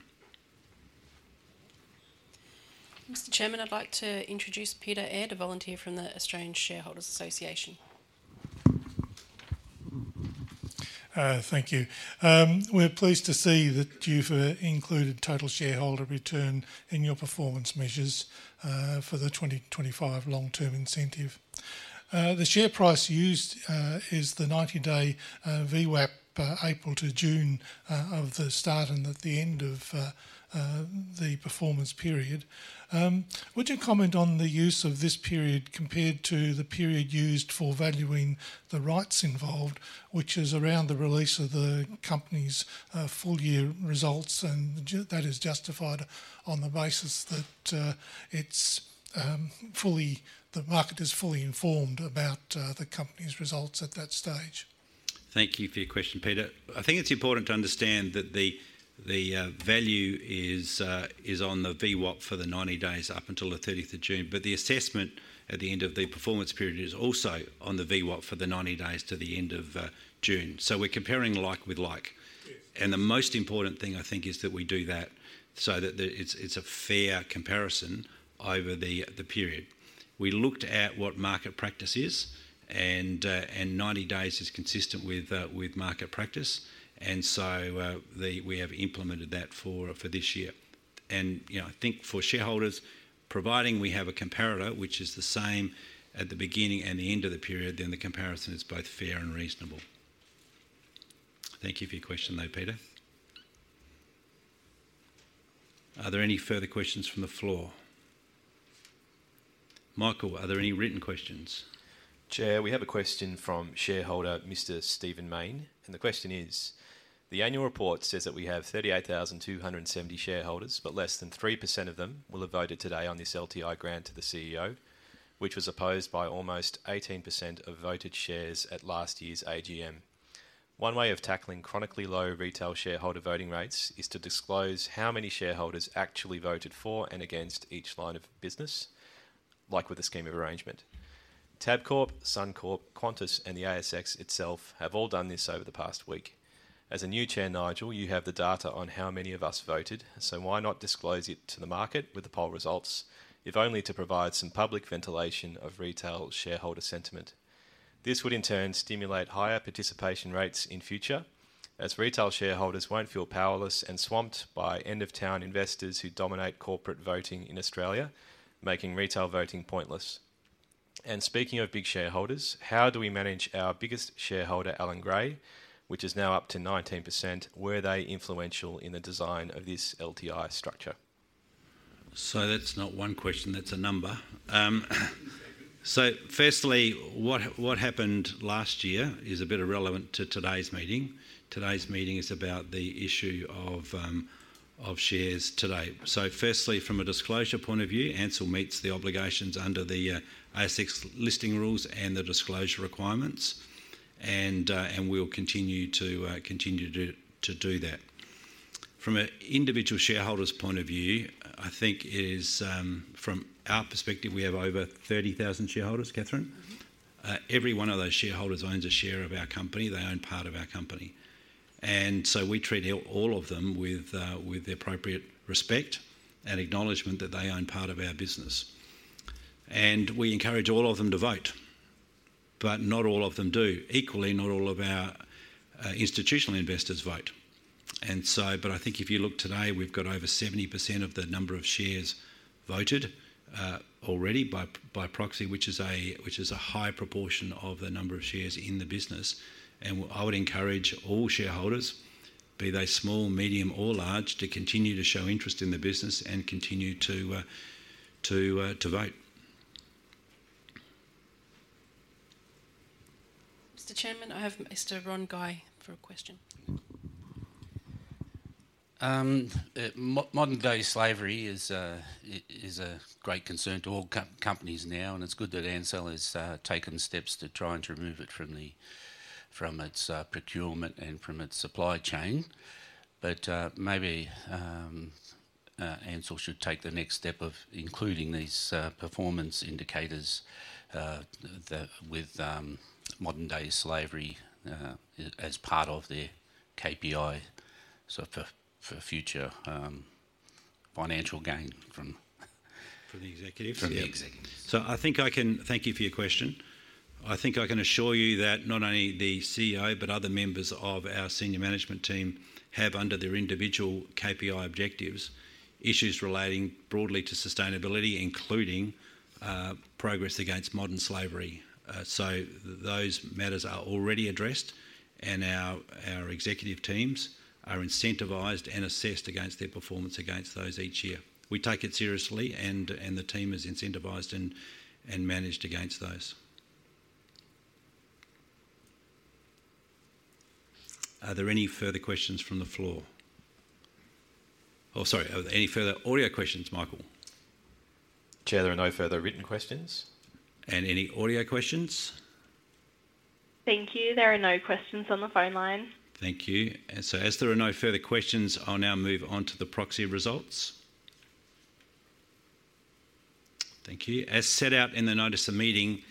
Mr. Chairman, I'd like to introduce Peter Aird, a volunteer from the Australian Shareholders Association. Thank you. We're pleased to see that you've included total shareholder return in your performance measures for the 2025 long-term incentive. The share price used is the ninety-day VWAP April to June of the start and at the end of the performance period. Would you comment on the use of this period compared to the period used for valuing the rights involved, which is around the release of the company's full-year results, and that is justified on the basis that the market is fully informed about the company's results at that stage? Thank you for your question, Peter. I think it's important to understand that the value is on the VWAP for the ninety days up until the thirtieth of June, but the assessment at the end of the performance period is also on the VWAP for the ninety days to the end of June. So we're comparing like with like. Yes. The most important thing, I think, is that we do that so that it's a fair comparison over the period. We looked at what market practice is and ninety days is consistent with market practice, and so we have implemented that for this year. You know, I think for shareholders, providing we have a comparator which is the same at the beginning and the end of the period, then the comparison is both fair and reasonable. Thank you for your question, though, Peter. Are there any further questions from the floor? Michael, are there any written questions? Chair, we have a question from shareholder Mr. Stephen Mayne, and the question is: "The Annual Report says that we have 38,270 shareholders, but less than 3% of them will have voted today on this LTI grant to the CEO, which was opposed by almost 18% of voted shares at last year's AGM. One way of tackling chronically low retail shareholder voting rates is to disclose how many shareholders actually voted for and against each line of business, like with the scheme of arrangement. Tabcorp, Suncorp, Qantas, and the ASX itself have all done this over the past week. As a new chair, Nigel, you have the data on how many of us voted, so why not disclose it to the market with the poll results, if only to provide some public ventilation of retail shareholder sentiment? This would, in turn, stimulate higher participation rates in future, as retail shareholders won't feel powerless and swamped by end-of-town investors who dominate corporate voting in Australia, making retail voting pointless. And speaking of big shareholders, how do we manage our biggest shareholder, Allan Gray, which is now up to 19%? Were they influential in the design of this LTI structure? That's not one question, that's a number. So firstly, what happened last year is a bit irrelevant to today's meeting. Today's meeting is about the issue of shares today. So firstly, from a disclosure point of view, Ansell meets the obligations under the ASX listing rules and the disclosure requirements, and we'll continue to do that. From a individual shareholder's point of view, I think it is. From our perspective, we have over thirty thousand shareholders, Catherine? Mm-hmm. Every one of those shareholders owns a share of our company. They own part of our company, and so we treat all of them with the appropriate respect and acknowledgement that they own part of our business. We encourage all of them to vote, but not all of them do. Equally, not all of our institutional investors vote. I think if you look today, we've got over 70% of the number of shares voted already by proxy, which is a high proportion of the number of shares in the business. I would encourage all shareholders, be they small, medium, or large, to continue to show interest in the business and continue to vote. Mr. Chairman, I have Mr. Ron Guy for a question. Modern-day slavery is a great concern to all companies now, and it's good that Ansell has taken steps to try and to remove it from its procurement and from its supply chain. But maybe Ansell should take the next step of including these performance indicators with modern-day slavery as part of their KPI, so for future financial gain from- From the executives? From the executives. Thank you for your question. I think I can assure you that not only the CEO, but other members of our senior management team, have under their individual KPI objectives issues relating broadly to sustainability, including progress against modern slavery. So those matters are already addressed, and our executive teams are incentivized and assessed against their performance against those each year. We take it seriously, and the team is incentivized and managed against those. Are there any further questions from the floor? Oh, sorry, are there any further audio questions, Michael? Chair, there are no further written questions. Any audio questions? Thank you. There are no questions on the phone line. Thank you. And so as there are no further questions, I'll now move on to the proxy results. Thank you. As set out in the notice of meeting,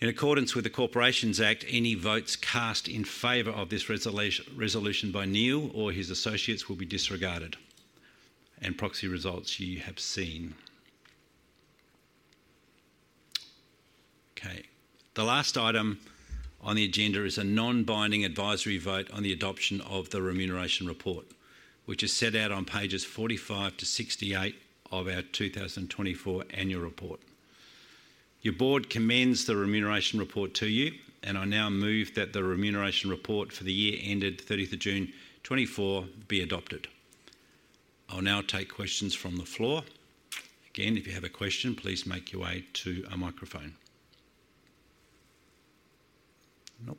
in accordance with the Corporations Act, any votes cast in favor of this resolution by Neil or his associates will be disregarded. And proxy results, you have seen. Okay. The last item on the agenda is a non-binding advisory vote on the adoption of the remuneration report, which is set out on pages 45 to 68 of our 2024 annual report. Your board commends the remuneration report to you, and I now move that the remuneration report for the year ended 30th of June 2024 be adopted. I'll now take questions from the floor. Again, if you have a question, please make your way to a microphone. Nope.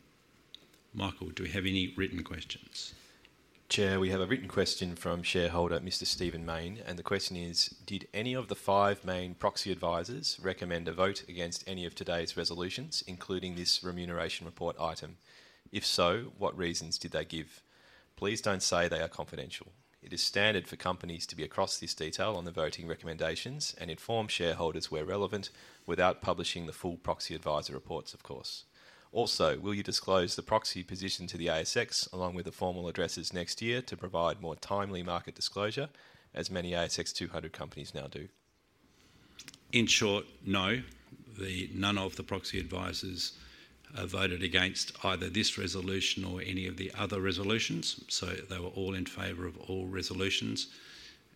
Michael, do we have any written questions? Chair, we have a written question from shareholder, Mr. Stephen Mayne, and the question is: Did any of the five main proxy advisors recommend a vote against any of today's resolutions, including this remuneration report item? If so, what reasons did they give? Please don't say they are confidential. It is standard for companies to be across this detail on the voting recommendations and inform shareholders where relevant, without publishing the full proxy advisor reports, of course. Also, will you disclose the proxy position to the ASX, along with the formal addresses next year, to provide more timely market disclosure, as many ASX 200 companies now do? In short, no. None of the proxy advisors voted against either this resolution or any of the other resolutions, so they were all in favor of all resolutions.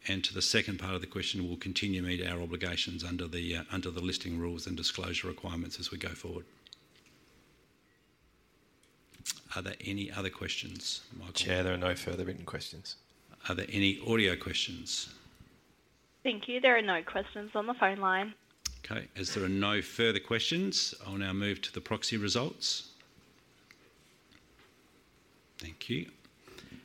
And to the second part of the question, we'll continue to meet our obligations under the listing rules and disclosure requirements as we go forward. Are there any other questions, Michael? Chair, there are no further written questions. Are there any audio questions? Thank you. There are no questions on the phone line. Okay, as there are no further questions, I'll now move to the proxy results. Thank you.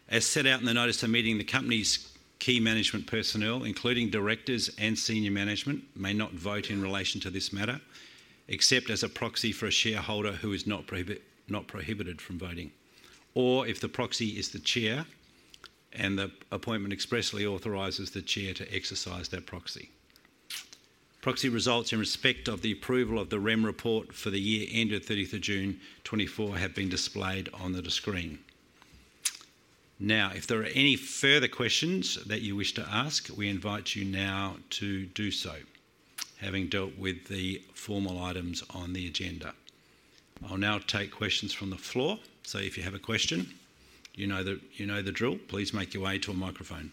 As set out in the notice of meeting, the company's key management personnel, including directors and senior management, may not vote in relation to this matter, except as a proxy for a shareholder who is not prohibited from voting, or if the proxy is the chair, and the appointment expressly authorizes the chair to exercise that proxy. Proxy results in respect of the approval of the Rem report for the year ended thirtieth of June 2024 have been displayed on the screen. Now, if there are any further questions that you wish to ask, we invite you now to do so, having dealt with the formal items on the agenda. I'll now take questions from the floor. So if you have a question, you know the, you know the drill, please make your way to a microphone.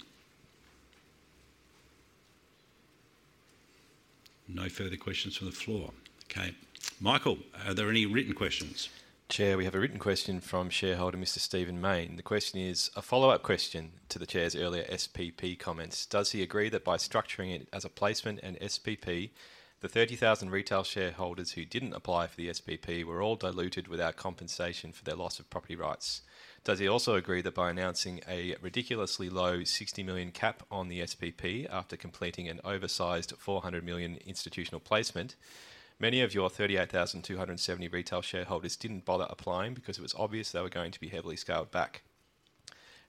No further questions from the floor. Okay. Michael, are there any written questions? Chair, we have a written question from shareholder, Mr. Stephen Mayne. The question is: A follow-up question to the chair's earlier SPP comments. Does he agree that by structuring it as a placement and SPP, the thirty thousand retail shareholders who didn't apply for the SPP were all diluted without compensation for their loss of property rights? Does he also agree that by announcing a ridiculously low sixty million cap on the SPP after completing an oversized four hundred million institutional placement, many of your thirty-eight thousand two hundred and seventy retail shareholders didn't bother applying because it was obvious they were going to be heavily scaled back?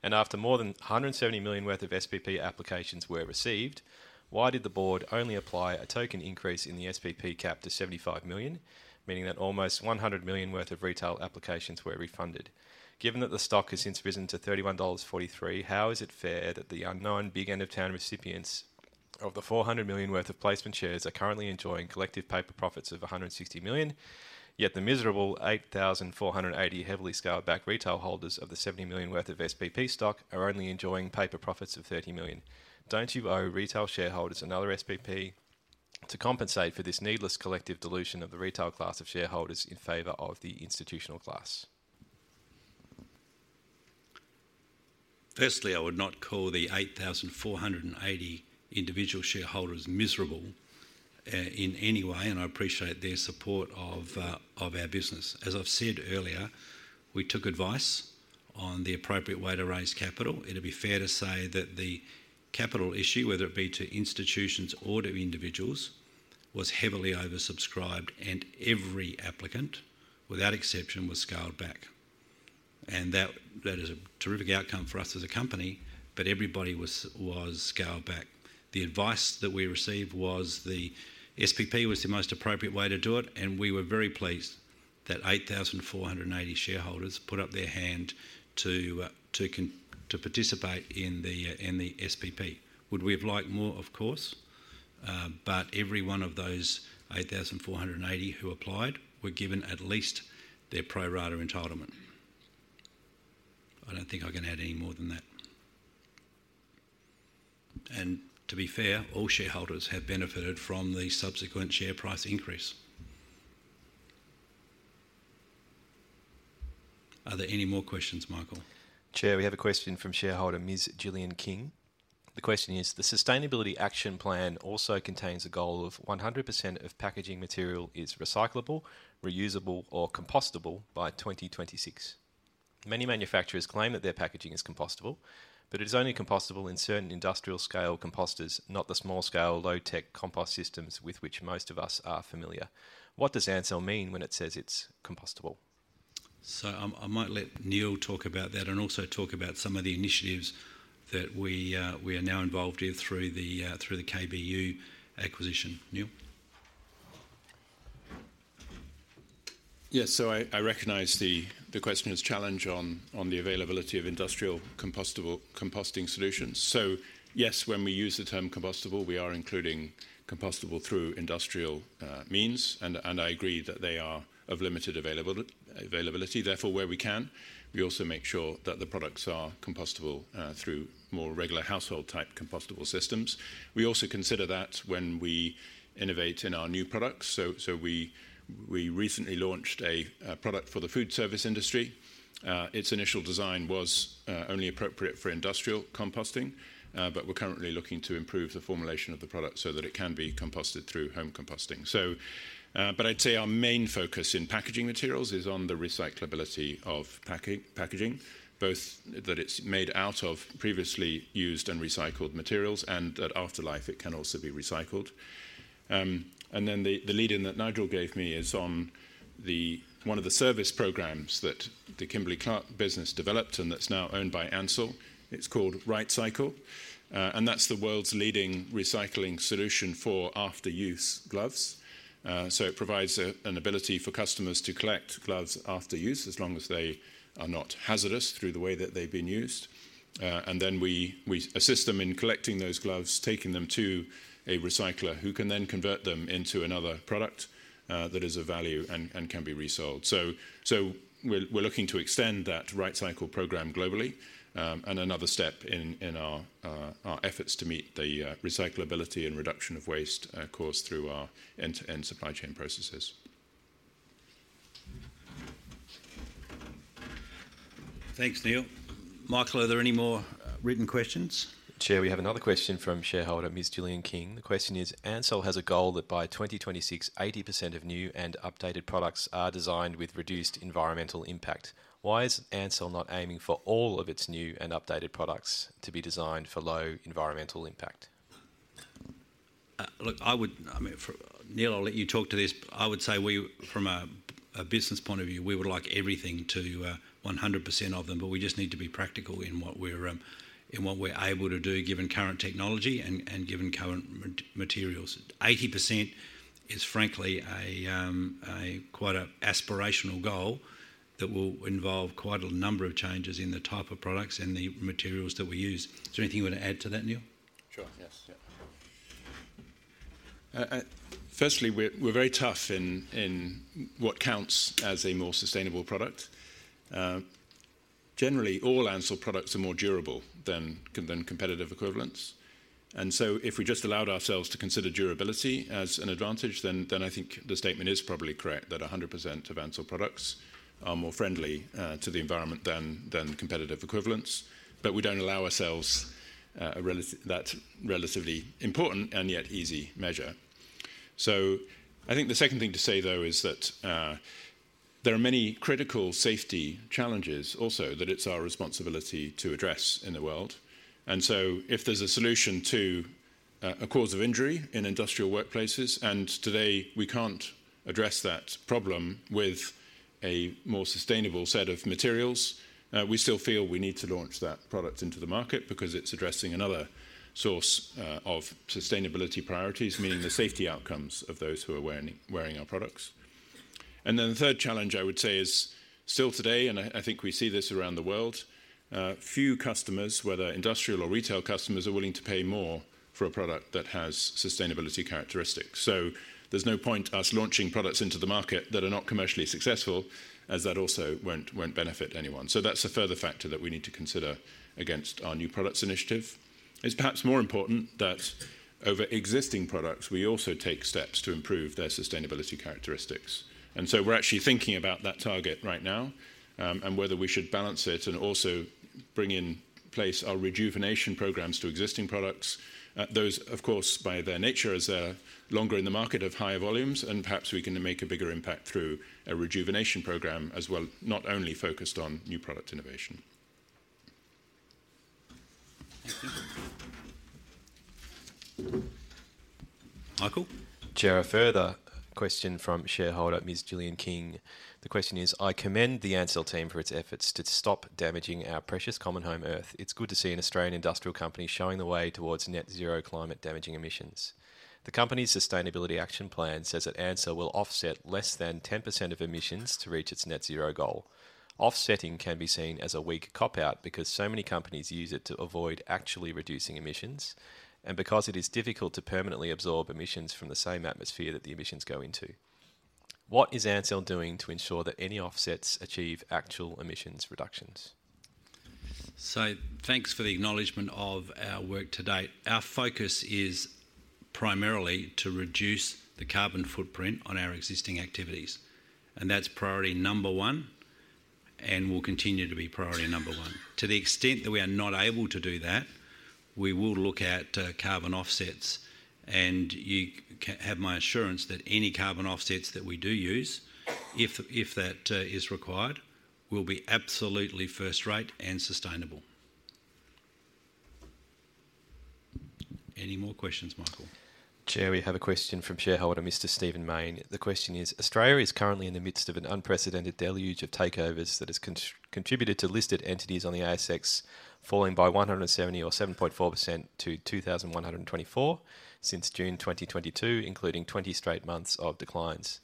After more than 170 million worth of SPP applications were received, why did the board only apply a token increase in the SPP cap to 75 million, meaning that almost 100 million worth of retail applications were refunded? Given that the stock has since risen to 31.43 dollars, how is it fair that the unknown big-end-of-town recipients of the 400 million worth of placement shares are currently enjoying collective paper profits of 160 million, yet the miserable 8,480 heavily scaled-back retail holders of the 70 million worth of SPP stock are only enjoying paper profits of 30 million? Don't you owe retail shareholders another SPP to compensate for this needless collective dilution of the retail class of shareholders in favor of the institutional class? Firstly, I would not call the 8,480 individual shareholders miserable in any way, and I appreciate their support of our business. As I've said earlier, we took advice on the appropriate way to raise capital. It'd be fair to say that the capital issue, whether it be to institutions or to individuals, was heavily oversubscribed, and every applicant, without exception, was scaled back. And that is a terrific outcome for us as a company, but everybody was scaled back. The advice that we received was the SPP was the most appropriate way to do it, and we were very pleased that 8,480 shareholders put up their hand to participate in the SPP. Would we have liked more? Of course. But every one of those 8,400 who applied were given at least their pro rata entitlement. I don't think I can add any more than that. And to be fair, all shareholders have benefited from the subsequent share price increase. Are there any more questions, Michael? Chair, we have a question from shareholder Ms. Gillian King. The question is: The Sustainability Action Plan also contains a goal of 100% of packaging material is recyclable, reusable, or compostable by 2026. Many manufacturers claim that their packaging is compostable, but it is only compostable in certain industrial-scale composters, not the small-scale, low-tech compost systems with which most of us are familiar. What does Ansell mean when it says it's compostable? I might let Neil talk about that and also talk about some of the initiatives that we are now involved in through the KBU acquisition. Neil? Yes, so I recognize the questioner's challenge on the availability of industrial composting solutions. So yes, when we use the term compostable, we are including compostable through industrial means, and I agree that they are of limited availability. Therefore, where we can, we also make sure that the products are compostable through more regular household-type compostable systems. We also consider that when we innovate in our new products. So we recently launched a product for the food service industry. Its initial design was only appropriate for industrial composting, but we're currently looking to improve the formulation of the product so that it can be composted through home composting. So, but I'd say our main focus in packaging materials is on the recyclability of packaging, both that it's made out of previously used and recycled materials, and at afterlife, it can also be recycled. And then the lead-in that Nigel gave me is on one of the service programs that the Kimberly-Clark business developed and that's now owned by Ansell. It's called RightCycle, and that's the world's leading recycling solution for after-use gloves. So it provides an ability for customers to collect gloves after use, as long as they are not hazardous through the way that they've been used. And then we assist them in collecting those gloves, taking them to a recycler, who can then convert them into another product that is of value and can be resold. We're looking to extend that RightCycle program globally, and another step in our efforts to meet the recyclability and reduction of waste course through our end-to-end supply chain processes. Thanks, Neil. Michael, are there any more written questions? Chair, we have another question from shareholder Ms. Gillian King. The question is: Ansell has a goal that by 2026, 80% of new and updated products are designed with reduced environmental impact. Why is Ansell not aiming for all of its new and updated products to be designed for low environmental impact? Look, I mean, for Neil, I'll let you talk to this. I would say we, from a business point of view, we would like everything to 100% of them, but we just need to be practical in what we're able to do, given current technology and given current materials. 80% is, frankly, quite an aspirational goal that will involve quite a number of changes in the type of products and the materials that we use. Is there anything you want to add to that, Neil? Sure, yes. Yeah. Firstly, we're very tough in what counts as a more sustainable product. Generally, all Ansell products are more durable than competitive equivalents. And so if we just allowed ourselves to consider durability as an advantage, then I think the statement is probably correct, that 100% of Ansell products are more friendly to the environment than competitive equivalents. But we don't allow ourselves a relatively important and yet easy measure. So I think the second thing to say, though, is that there are many critical safety challenges also that it's our responsibility to address in the world. If there's a solution to a cause of injury in industrial workplaces, and today we can't address that problem with a more sustainable set of materials, we still feel we need to launch that product into the market because it's addressing another source of sustainability priorities, meaning the safety outcomes of those who are wearing our products. Then the third challenge I would say is, still today, and I think we see this around the world, few customers, whether industrial or retail customers, are willing to pay more for a product that has sustainability characteristics. There's no point us launching products into the market that are not commercially successful, as that also won't benefit anyone. That's a further factor that we need to consider against our new products initiative. It's perhaps more important that over existing products, we also take steps to improve their sustainability characteristics. And so we're actually thinking about that target right now, and whether we should balance it and also bring in place our rejuvenation programs to existing products. Those, of course, by their nature, as they're longer in the market, have higher volumes, and perhaps we can make a bigger impact through a rejuvenation program as well, not only focused on new product innovation. Thank you. Michael? Chair, a further question from shareholder Ms. Gillian King. The question is: "I commend the Ansell team for its efforts to stop damaging our precious common home, Earth. It's good to see an Australian industrial company showing the way towards net zero climate-damaging emissions. The company's sustainability action plan says that Ansell will offset less than 10% of emissions to reach its net zero goal. Offsetting can be seen as a weak cop-out because so many companies use it to avoid actually reducing emissions, and because it is difficult to permanently absorb emissions from the same atmosphere that the emissions go into. What is Ansell doing to ensure that any offsets achieve actual emissions reductions? So, thanks for the acknowledgement of our work to date. Our focus is primarily to reduce the carbon footprint on our existing activities, and that's priority number one, and will continue to be priority number one. To the extent that we are not able to do that, we will look at carbon offsets, and you have my assurance that any carbon offsets that we do use, if that is required, will be absolutely first rate and sustainable. Any more questions, Michael? Chair, we have a question from shareholder Mr. Stephen Mayne. The question is: "Australia is currently in the midst of an unprecedented deluge of takeovers that has contributed to listed entities on the ASX falling by 170 or 7.4% to 2,124 since June 2022, including 20 straight months of declines.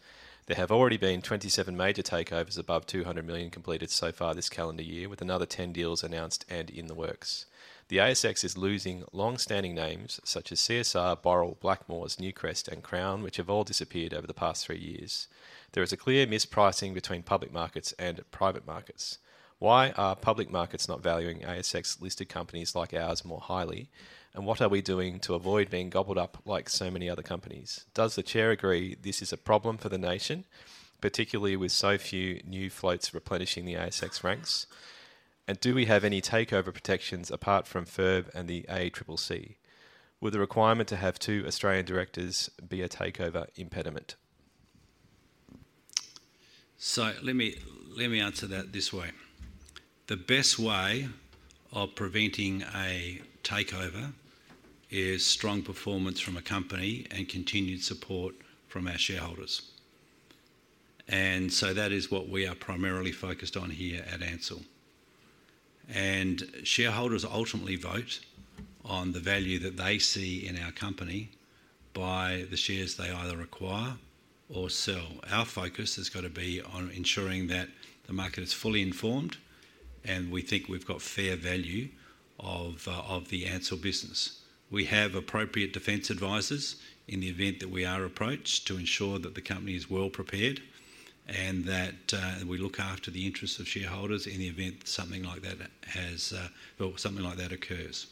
There have already been 27 major takeovers above 200 million completed so far this calendar year, with another 10 deals announced and in the works. The ASX is losing long-standing names such as CSR, Boral, Blackmores, Newcrest, and Crown, which have all disappeared over the past three years. There is a clear mispricing between public markets and private markets. Why are public markets not valuing ASX-listed companies like ours more highly, and what are we doing to avoid being gobbled up like so many other companies? Does the Chair agree this is a problem for the nation, particularly with so few new floats replenishing the ASX ranks? And do we have any takeover protections apart from FIRB and the ACCC? Would the requirement to have two Australian directors be a takeover impediment? So let me answer that this way. The best way of preventing a takeover is strong performance from a company and continued support from our shareholders. And so that is what we are primarily focused on here at Ansell. And shareholders ultimately vote on the value that they see in our company by the shares they either acquire or sell. Our focus has got to be on ensuring that the market is fully informed, and we think we've got fair value of, of the Ansell business. We have appropriate defense advisors in the event that we are approached, to ensure that the company is well-prepared and that, we look after the interests of shareholders in the event something like that has, or something like that occurs.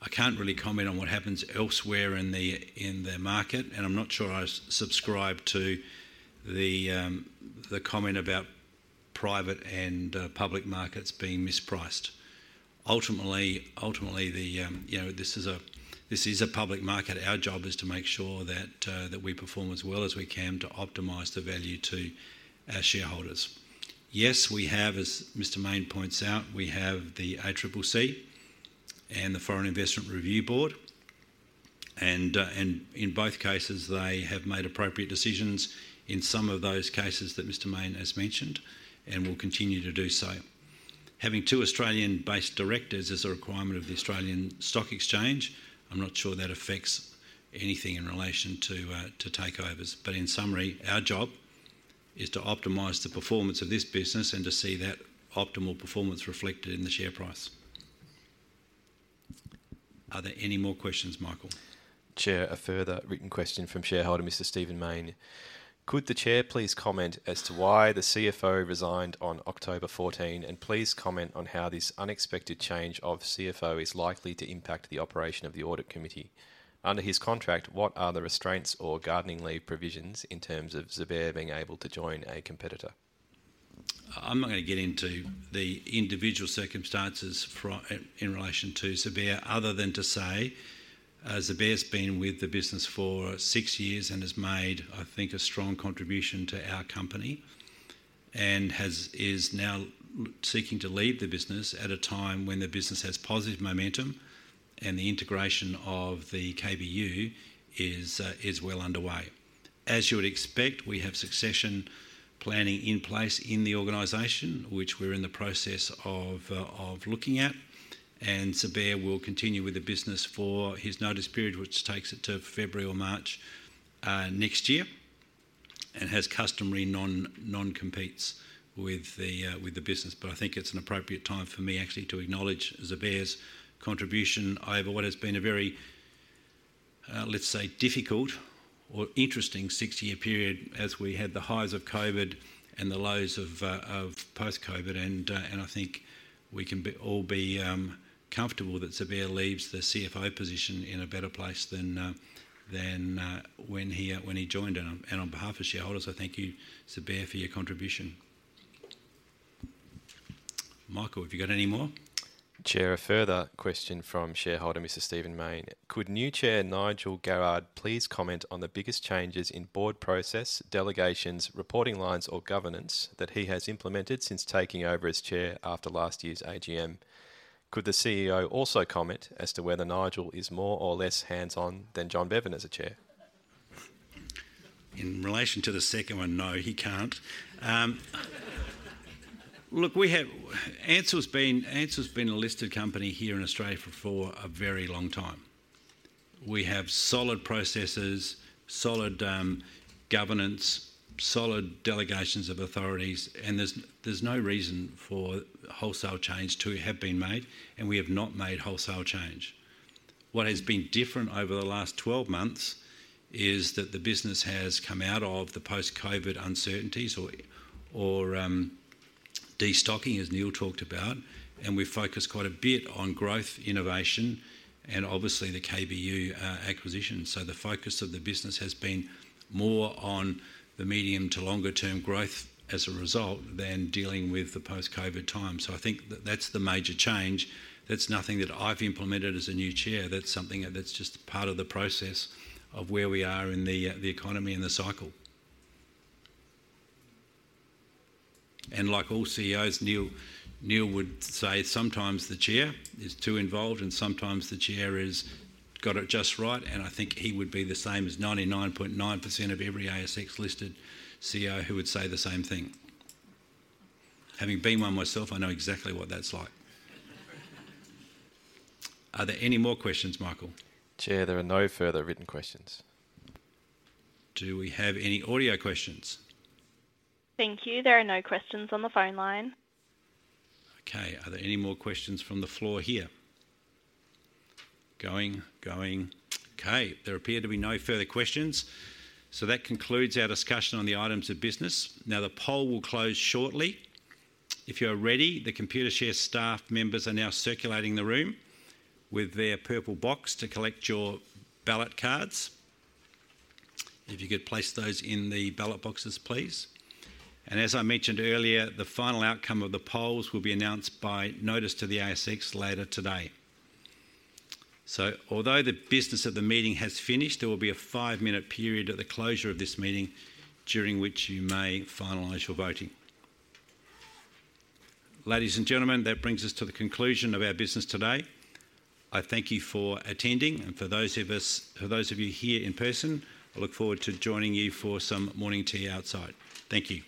I can't really comment on what happens elsewhere in the market, and I'm not sure I subscribe to the comment about private and public markets being mispriced. Ultimately, you know, this is a public market. Our job is to make sure that we perform as well as we can to optimize the value to our shareholders. Yes, we have, as Mr. Mayne points out, the ACCC and the Foreign Investment Review Board, and in both cases, they have made appropriate decisions in some of those cases that Mr. Mayne has mentioned, and will continue to do so. Having two Australian-based directors is a requirement of the Australian Securities Exchange. I'm not sure that affects anything in relation to takeovers, but in summary, our job is to optimize the performance of this business and to see that optimal performance reflected in the share price. Are there any more questions, Michael? Chair, a further written question from shareholder Mr. Stephen Mayne: "Could the Chair please comment as to why the CFO resigned on October fourteen, and please comment on how this unexpected change of CFO is likely to impact the operation of the audit committee? Under his contract, what are the restraints or gardening leave provisions in terms of Zubair being able to join a competitor? I'm not gonna get into the individual circumstances in relation to Zubair, other than to say, Zubair's been with the business for six years and has made, I think, a strong contribution to our company, and is now seeking to leave the business at a time when the business has positive momentum and the integration of the KBU is well underway. As you would expect, we have succession planning in place in the organization, which we're in the process of looking at, and Zubair will continue with the business for his notice period, which takes it to February or March next year, and has customary non-competes with the business. But I think it's an appropriate time for me actually to acknowledge Zubair's contribution over what has been a very, let's say, difficult or interesting six-year period, as we had the highs of COVID and the lows of post-COVID. And I think we can all be comfortable that Zubair leaves the CFO position in a better place than when he joined. And on behalf of shareholders, I thank you, Zubair, for your contribution. Michael, have you got any more? Chair, a further question from shareholder, Mr. Stephen Mayne: "Could new chair, Nigel Garrard, please comment on the biggest changes in board process, delegations, reporting lines, or governance that he has implemented since taking over as chair after last year's AGM? Could the CEO also comment as to whether Nigel is more or less hands-on than John Bevan as a chair? In relation to the second one, no, he can't. Look, we have Ansell's been a listed company here in Australia for a very long time. We have solid processes, solid governance, solid delegations of authorities, and there's no reason for wholesale change to have been made, and we have not made wholesale change. What has been different over the last twelve months is that the business has come out of the post-COVID uncertainties or destocking, as Neil talked about, and we've focused quite a bit on growth, innovation, and obviously the KBU acquisition. So the focus of the business has been more on the medium to longer term growth as a result, than dealing with the post-COVID time. So I think that that's the major change. That's nothing that I've implemented as a new chair. That's something that's just part of the process of where we are in the, the economy and the cycle. And like all CEOs, Neil, Neil would say, sometimes the chair is too involved and sometimes the chair has got it just right, and I think he would be the same as 99.9% of every ASX-listed CEO who would say the same thing. Having been one myself, I know exactly what that's like. Are there any more questions, Michael? Chair, there are no further written questions. Do we have any audio questions? Thank you. There are no questions on the phone line. Okay. Are there any more questions from the floor here? Going, going. Okay, there appear to be no further questions, so that concludes our discussion on the items of business. Now, the poll will close shortly. If you are ready, the Computershare staff members are now circulating the room with their purple box to collect your ballot cards. If you could place those in the ballot boxes, please. And as I mentioned earlier, the final outcome of the polls will be announced by notice to the ASX later today. So although the business of the meeting has finished, there will be a five-minute period at the closure of this meeting during which you may finalize your voting. Ladies and gentlemen, that brings us to the conclusion of our business today. I thank you for attending, and for those of us, for those of you here in person, I look forward to joining you for some morning tea outside. Thank you.